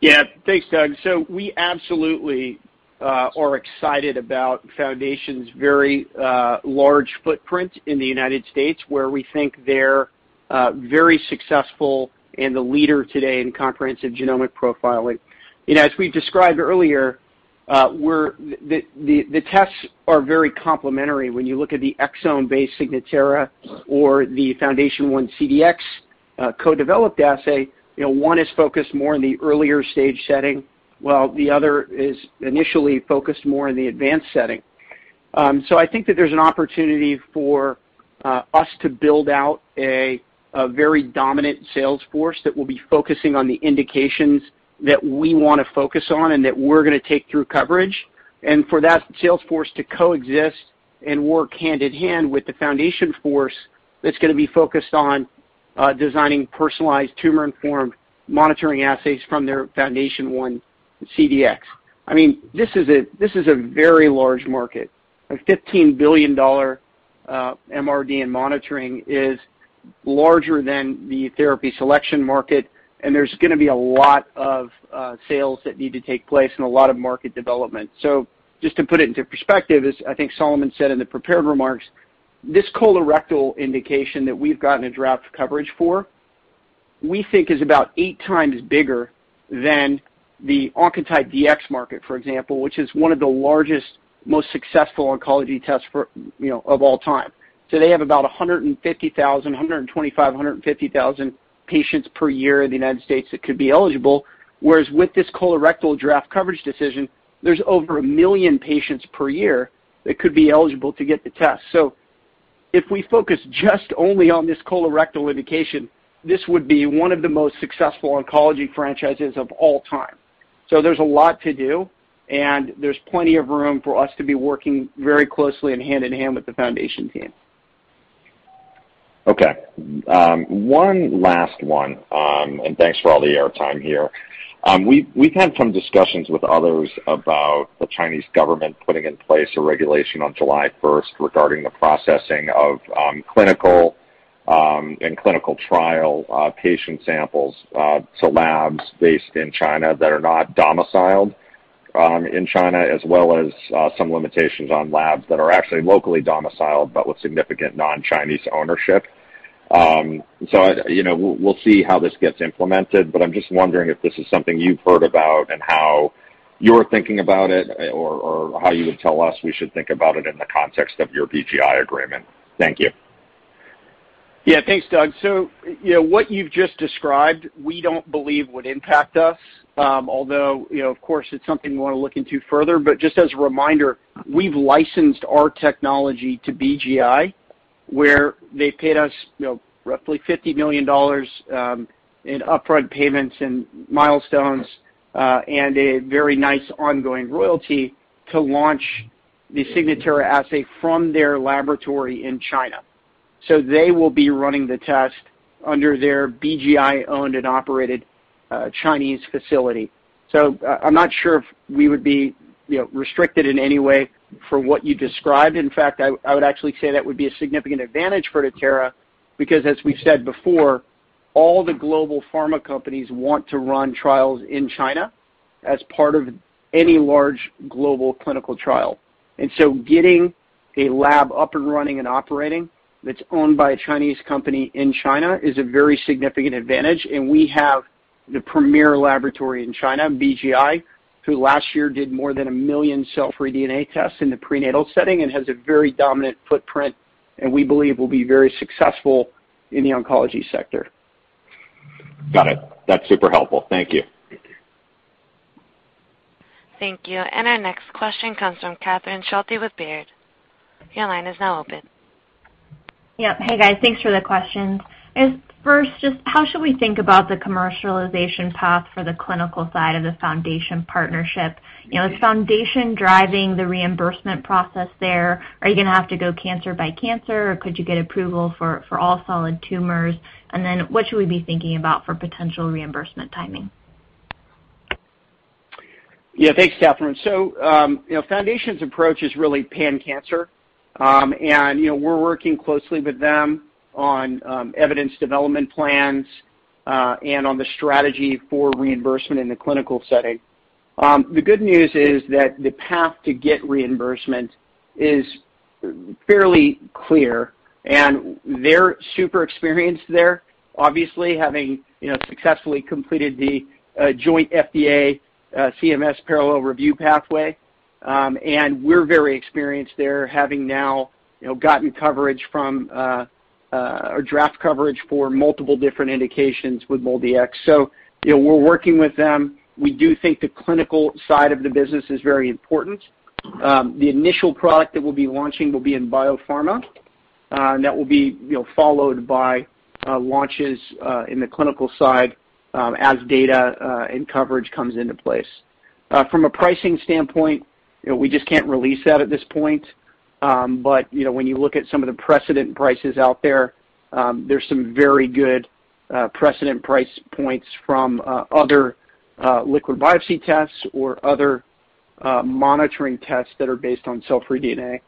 Yeah. Thanks, Doug. We absolutely are excited about Foundation's very large footprint in the U.S., where we think they're very successful and the leader today in Comprehensive Genomic Profiling. As we described earlier, the tests are very complementary when you look at the exome-based Signatera or the FoundationOne CDx co-developed assay. One is focused more on the earlier stage setting, while the other is initially focused more on the advanced setting. I think that there's an opportunity for us to build out a very dominant sales force that will be focusing on the indications that we want to focus on and that we're going to take through coverage. For that sales force to coexist and work hand-in-hand with the Foundation force that's going to be focused on designing personalized tumor-informed monitoring assays from their FoundationOne CDx. This is a very large market. A $15 billion MRD in monitoring is larger than the therapy selection market. There's going to be a lot of sales that need to take place and a lot of market development. Just to put it into perspective, as I think Solomon said in the prepared remarks, this colorectal indication that we've gotten a draft coverage for, we think is about eight times bigger than the Oncotype DX market, for example, which is one of the largest, most successful oncology tests of all time. They have about 150,000, 125,000, 150,000 patients per year in the United States that could be eligible. Whereas with this colorectal draft coverage decision, there's over a million patients per year that could be eligible to get the test. If we focus just only on this colorectal indication, this would be one of the most successful oncology franchises of all time. There's a lot to do, and there's plenty of room for us to be working very closely and hand-in-hand with the Foundation team. Okay. One last one. Thanks for all the air time here. We've had some discussions with others about the Chinese government putting in place a regulation on July 1st regarding the processing of clinical and clinical trial patient samples to labs based in China that are not domiciled in China, as well as some limitations on labs that are actually locally domiciled, but with significant non-Chinese ownership. We'll see how this gets implemented, but I'm just wondering if this is something you've heard about and how you're thinking about it or how you would tell us we should think about it in the context of your BGI agreement. Thank you. Yeah. Thanks, Doug. What you've just described, we don't believe would impact us. Although, of course, it's something we want to look into further, but just as a reminder, we've licensed our technology to BGI, where they paid us roughly $50 million in upfront payments and milestones, and a very nice ongoing royalty to launch the Signatera assay from their laboratory in China. They will be running the test under their BGI-owned and operated Chinese facility. I'm not sure if we would be restricted in any way for what you described. In fact, I would actually say that would be a significant advantage for Natera, because as we've said before, all the global pharma companies want to run trials in China as part of any large global clinical trial. Getting a lab up and running and operating that's owned by a Chinese company in China is a very significant advantage, and we have the premier laboratory in China, BGI, who last year did more than 1 million cell-free DNA tests in the prenatal setting and has a very dominant footprint, and we believe will be very successful in the oncology sector. Got it. That's super helpful. Thank you. Thank you. Our next question comes from Catherine Schulte with Baird. Your line is now open. Yep. Hey, guys. Thanks for the questions. First, just how should we think about the commercialization path for the clinical side of the Foundation partnership? Is Foundation driving the reimbursement process there? Are you going to have to go cancer by cancer, or could you get approval for all solid tumors? What should we be thinking about for potential reimbursement timing? Yeah. Thanks, Catherine. Foundation's approach is really pan-cancer. We're working closely with them on evidence development plans, and on the strategy for reimbursement in the clinical setting. The good news is that the path to get reimbursement is fairly clear, and they're super experienced there, obviously, having successfully completed the joint FDA-CMS parallel review pathway. We're very experienced there, having now gotten draft coverage for multiple different indications with MultiEx. We're working with them. We do think the clinical side of the business is very important. The initial product that we'll be launching will be in biopharma. That will be followed by launches in the clinical side as data and coverage comes into place. From a pricing standpoint, we just can't release that at this point. When you look at some of the precedent prices out there's some very good precedent price points from other liquid biopsy tests or other monitoring tests that are based on cell-free DNA.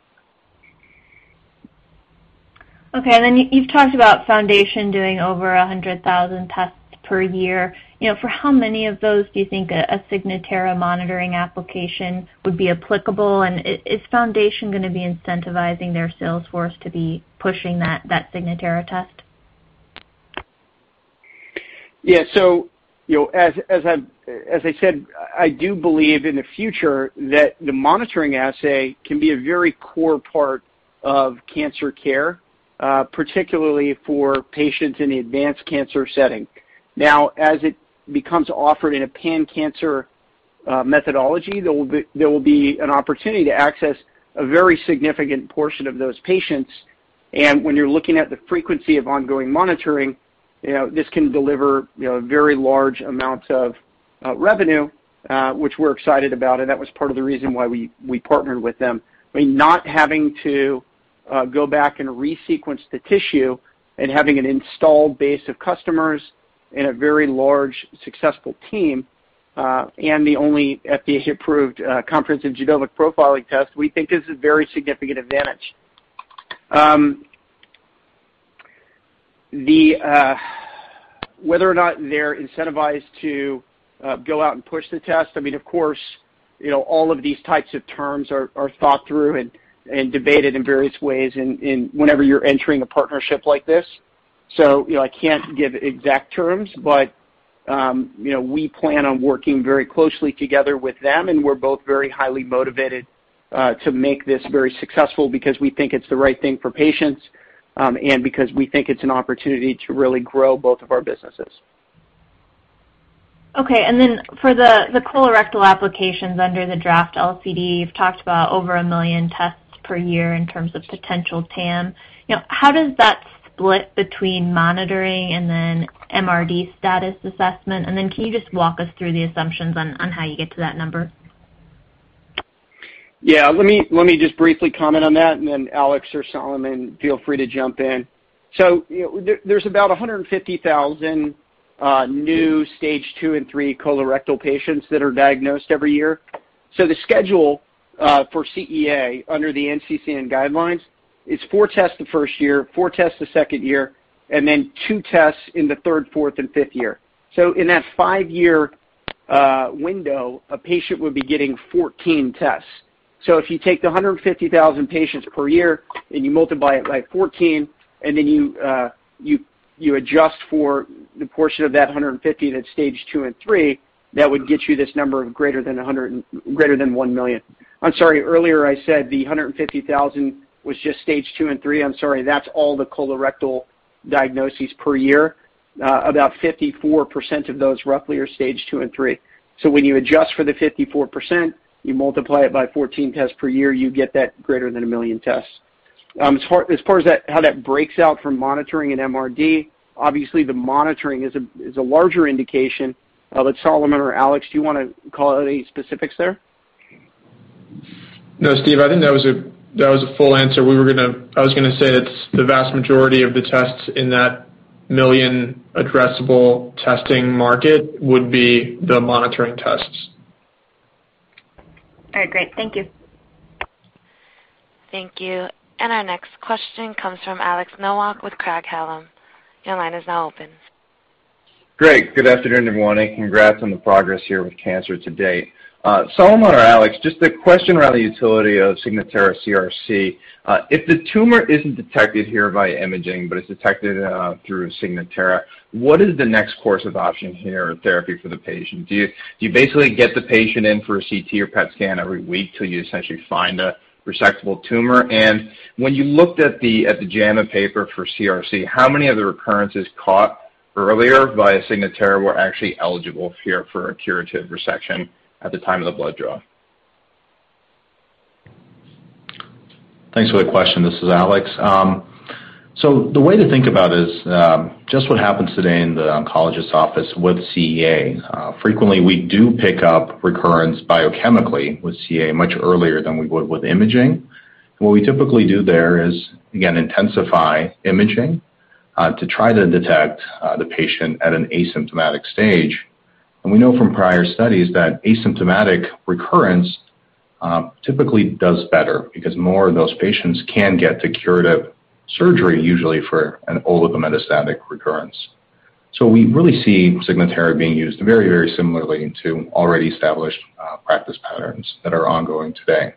Okay. You've talked about Foundation doing over 100,000 tests per year. For how many of those do you think a Signatera monitoring application would be applicable? Is Foundation going to be incentivizing their sales force to be pushing that Signatera test? As I said, I do believe in the future that the monitoring assay can be a very core part of cancer care, particularly for patients in the advanced cancer setting. As it becomes offered in a pan-cancer methodology, there will be an opportunity to access a very significant portion of those patients. When you're looking at the frequency of ongoing monitoring, this can deliver very large amounts of revenue, which we're excited about, and that was part of the reason why we partnered with them. Not having to go back and resequence the tissue and having an installed base of customers and a very large successful team, and the only FDA-approved comprehensive genomic profiling test, we think is a very significant advantage. Whether or not they're incentivized to go out and push the test, of course, all of these types of terms are thought through and debated in various ways whenever you're entering a partnership like this. I can't give exact terms, but we plan on working very closely together with them, and we're both very highly motivated to make this very successful because we think it's the right thing for patients, and because we think it's an opportunity to really grow both of our businesses. Okay. For the colorectal applications under the draft LCD, you've talked about over 1 million tests per year in terms of potential TAM. How does that split between monitoring and then MRD status assessment? Can you just walk us through the assumptions on how you get to that number? Yeah. Let me just briefly comment on that, and then Alex or Solomon, feel free to jump in. There's about 150,000 new stage 2 and 3 colorectal patients that are diagnosed every year. The schedule for CEA under the NCCN guidelines is four tests the first year, four tests the second year, and then two tests in the third, fourth, and fifth year. In that five-year window, a patient would be getting 14 tests. If you take the 150,000 patients per year and you multiply it by 14, and then you adjust for the portion of that 150 that's stage 2 and 3, that would get you this number of greater than 1 million. I'm sorry, earlier I said the 150,000 was just stage 2 and 3. I'm sorry. That's all the colorectal diagnoses per year. About 54% of those, roughly, are stage 2 and 3. When you adjust for the 54%, you multiply it by 14 tests per year, you get that greater than 1 million tests. As far as how that breaks out from monitoring and MRD, obviously, the monitoring is a larger indication. Solomon or Alex, do you want to call out any specifics there? No, Steve, I think that was a full answer. I was going to say that the vast majority of the tests in that 1 million addressable testing market would be the monitoring tests. All right, great. Thank you. Thank you. Our next question comes from Alex Nowak with Craig-Hallum. Your line is now open. Great. Good afternoon, everyone. Congrats on the progress here with cancer to date. Solomon or Alex, just a question around the utility of Signatera CRC. If the tumor isn't detected here by imaging, but it's detected through Signatera, what is the next course of option here in therapy for the patient? Do you basically get the patient in for a CT or PET scan every week till you essentially find a resectable tumor? When you looked at the JAMA paper for CRC, how many of the recurrences caught earlier via Signatera were actually eligible for a curative resection at the time of the blood draw? Thanks for the question. This is Alex. The way to think about is, just what happens today in the oncologist office with CEA. Frequently, we do pick up recurrence biochemically with CEA much earlier than we would with imaging. What we typically do there is, again, intensify imaging to try to detect the patient at an asymptomatic stage. We know from prior studies that asymptomatic recurrence typically does better because more of those patients can get to curative surgery usually for an oligometastatic recurrence. We really see Signatera being used very similarly to already established practice patterns that are ongoing today.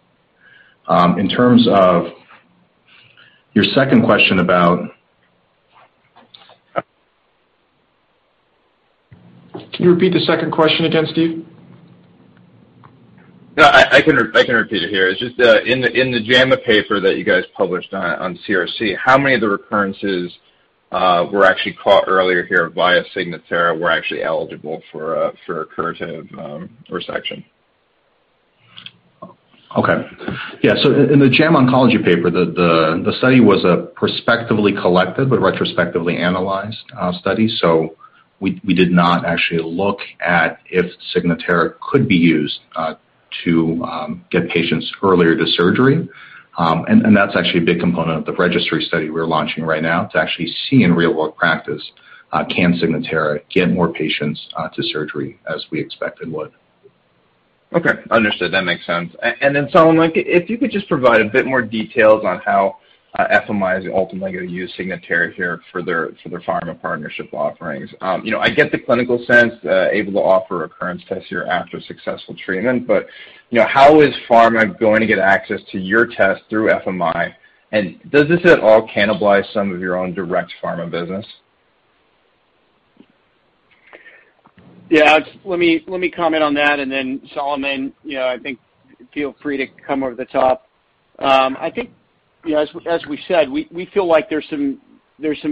Can you repeat the second question again, Steve? Yeah, I can repeat it here. It's just in the JAMA paper that you guys published on CRC, how many of the recurrences were actually caught earlier here via Signatera were actually eligible for a curative resection? Okay. Yeah. In the JAMA Oncology paper, the study was a perspectively collected but retrospectively analyzed study. We did not actually look at if Signatera could be used to get patients earlier to surgery. That's actually a big component of the registry study we're launching right now to actually see in real-world practice, can Signatera get more patients to surgery as we expected would. Okay. Understood. That makes sense. Solomon, if you could just provide a bit more details on how FMI is ultimately going to use Signatera here for their pharma partnership offerings. I get the clinical sense, able to offer recurrence tests here after successful treatment, but how is pharma going to get access to your test through FMI? Does this at all cannibalize some of your own direct pharma business? Yeah. Let me comment on that, and then Solomon, I think feel free to come over the top. I think as we said, we feel like there's some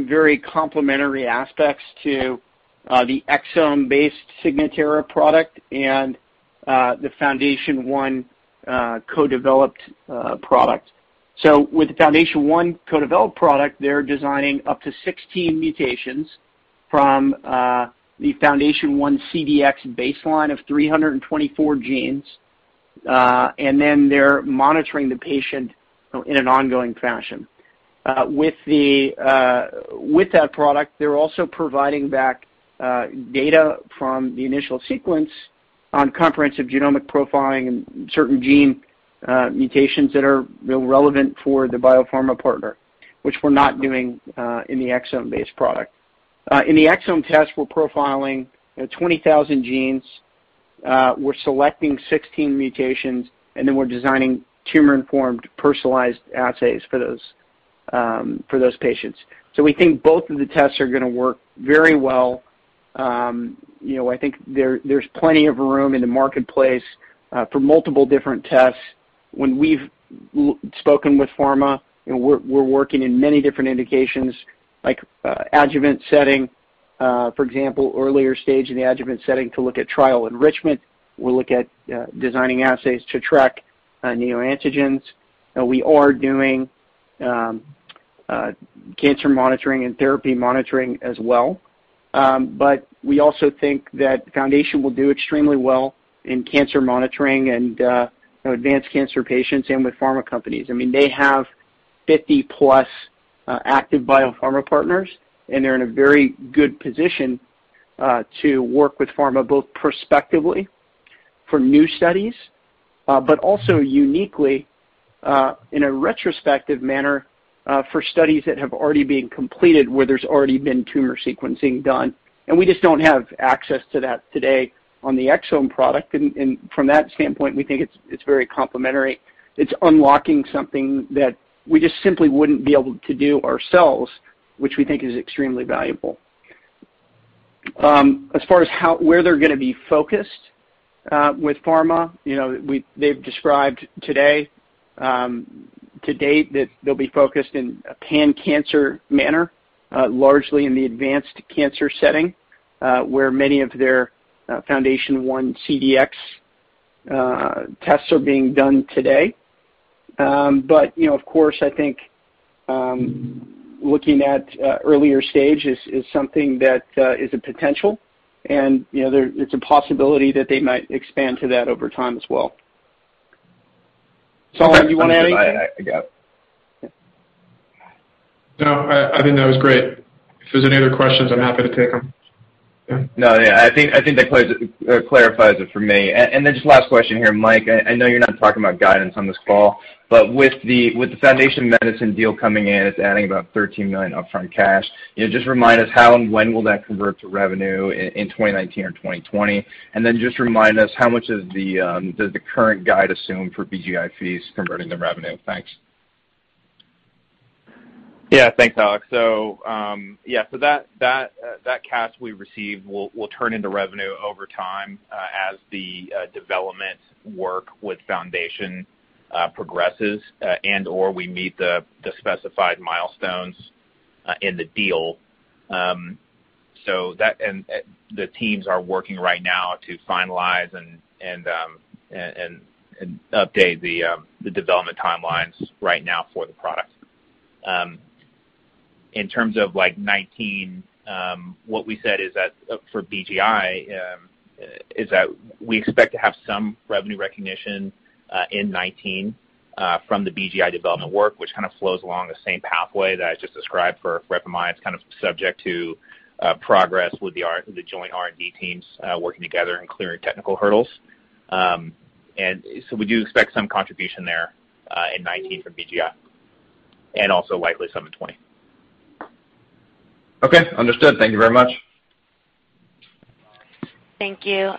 very complementary aspects to the exome-based Signatera product and the FoundationOne co-developed product. With the FoundationOne co-developed product, they're designing up to 16 mutations from the FoundationOne CDx baseline of 324 genes, and then they're monitoring the patient in an ongoing fashion. With that product, they're also providing back data from the initial sequence on Comprehensive Genomic Profiling and certain gene mutations that are relevant for the biopharma partner, which we're not doing in the exome-based product. In the exome test, we're profiling 20,000 genes. We're selecting 16 mutations, and then we're designing tumor-informed personalized assays for those patients. We think both of the tests are going to work very well. I think there's plenty of room in the marketplace for multiple different tests. When we've spoken with pharma, we're working in many different indications like adjuvant setting, for example, earlier stage in the adjuvant setting to look at trial enrichment. We'll look at designing assays to track neoantigens. We are doing cancer monitoring and therapy monitoring as well. We also think that Foundation will do extremely well in cancer monitoring and advanced cancer patients and with pharma companies. They have 50-plus active biopharma partners, and they're in a very good position to work with pharma both prospectively for new studies, but also uniquely, in a retrospective manner for studies that have already been completed, where there's already been tumor sequencing done, and we just don't have access to that today on the exome product. From that standpoint, we think it's very complementary. It's unlocking something that we just simply wouldn't be able to do ourselves, which we think is extremely valuable. As far as where they're going to be focused with pharma, they've described today, to date, that they'll be focused in a pan-cancer manner, largely in the advanced cancer setting where many of their FoundationOne CDx tests are being done today. Of course, I think looking at earlier stages is something that is a potential and it's a possibility that they might expand to that over time as well. Solomon, do you want to add anything? No, I think that was great. If there's any other questions, I'm happy to take them. Yeah. No, yeah. I think that clarifies it for me. Just last question here, Mike, I know you're not talking about guidance on this call, but with the Foundation Medicine deal coming in, it's adding about $13 million upfront cash. Just remind us how and when will that convert to revenue in 2019 or 2020? Just remind us how much does the current guide assume for BGI fees converting to revenue? Thanks. Yeah. Thanks, Alex. That cash we received will turn into revenue over time as the development work with Foundation progresses, and/or we meet the specified milestones in the deal. The teams are working right now to finalize and update the development timelines right now for the product. In terms of 2019, what we said is that for BGI, is that we expect to have some revenue recognition in 2019 from the BGI development work, which kind of flows along the same pathway that I just described for [Repmi]. It's kind of subject to progress with the joint R&D teams working together and clearing technical hurdles. We do expect some contribution there in 2019 from BGI, and also likely some in 2020. Okay, understood. Thank you very much. Thank you.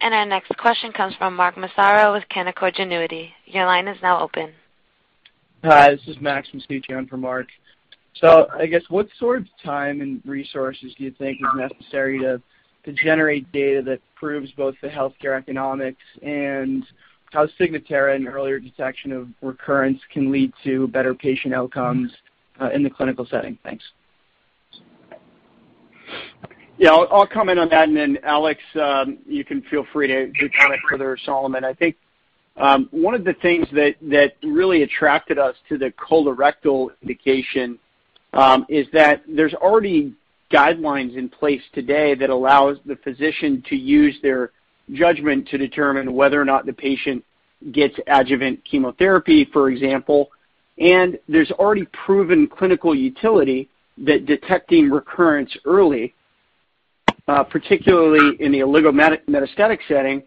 Our next question comes from Marc Marano with Canaccord Genuity. Your line is now open. Hi, this is Max from CG on for Marc. I guess what sort of time and resources do you think is necessary to generate data that proves both the healthcare economics and how Signatera and earlier detection of recurrence can lead to better patient outcomes in the clinical setting? Thanks. Yeah, I'll comment on that, then Alex, you can feel free to comment further, or Solomon. I think one of the things that really attracted us to the colorectal indication is that there's already guidelines in place today that allows the physician to use their judgment to determine whether or not the patient gets adjuvant chemotherapy, for example. There's already proven clinical utility that detecting recurrence early, particularly in the oligometastatic setting,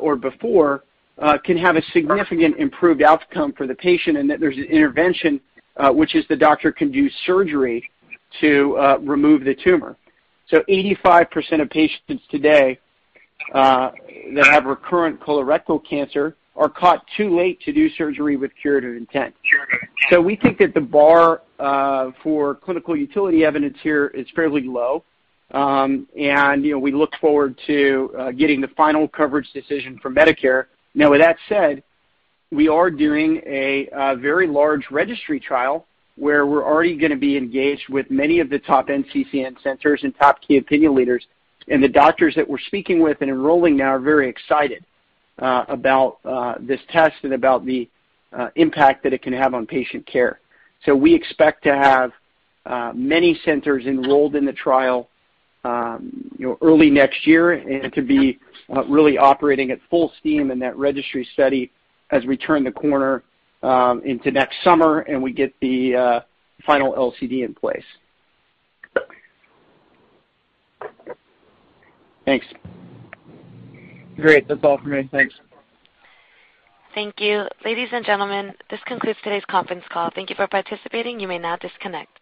or before, can have a significant improved outcome for the patient and that there's an intervention, which is the doctor can do surgery to remove the tumor. 85% of patients today that have recurrent colorectal cancer are caught too late to do surgery with curative intent. We think that the bar for clinical utility evidence here is fairly low. We look forward to getting the final coverage decision from Medicare. With that said, we are doing a very large registry trial where we're already going to be engaged with many of the top NCCN centers and top key opinion leaders. The doctors that we're speaking with and enrolling now are very excited about this test and about the impact that it can have on patient care. We expect to have many centers enrolled in the trial early next year and to be really operating at full steam in that registry study as we turn the corner into next summer and we get the final LCD in place. Thanks. Great. That's all for me. Thanks. Thank you. Ladies and gentlemen, this concludes today's conference call. Thank you for participating. You may now disconnect.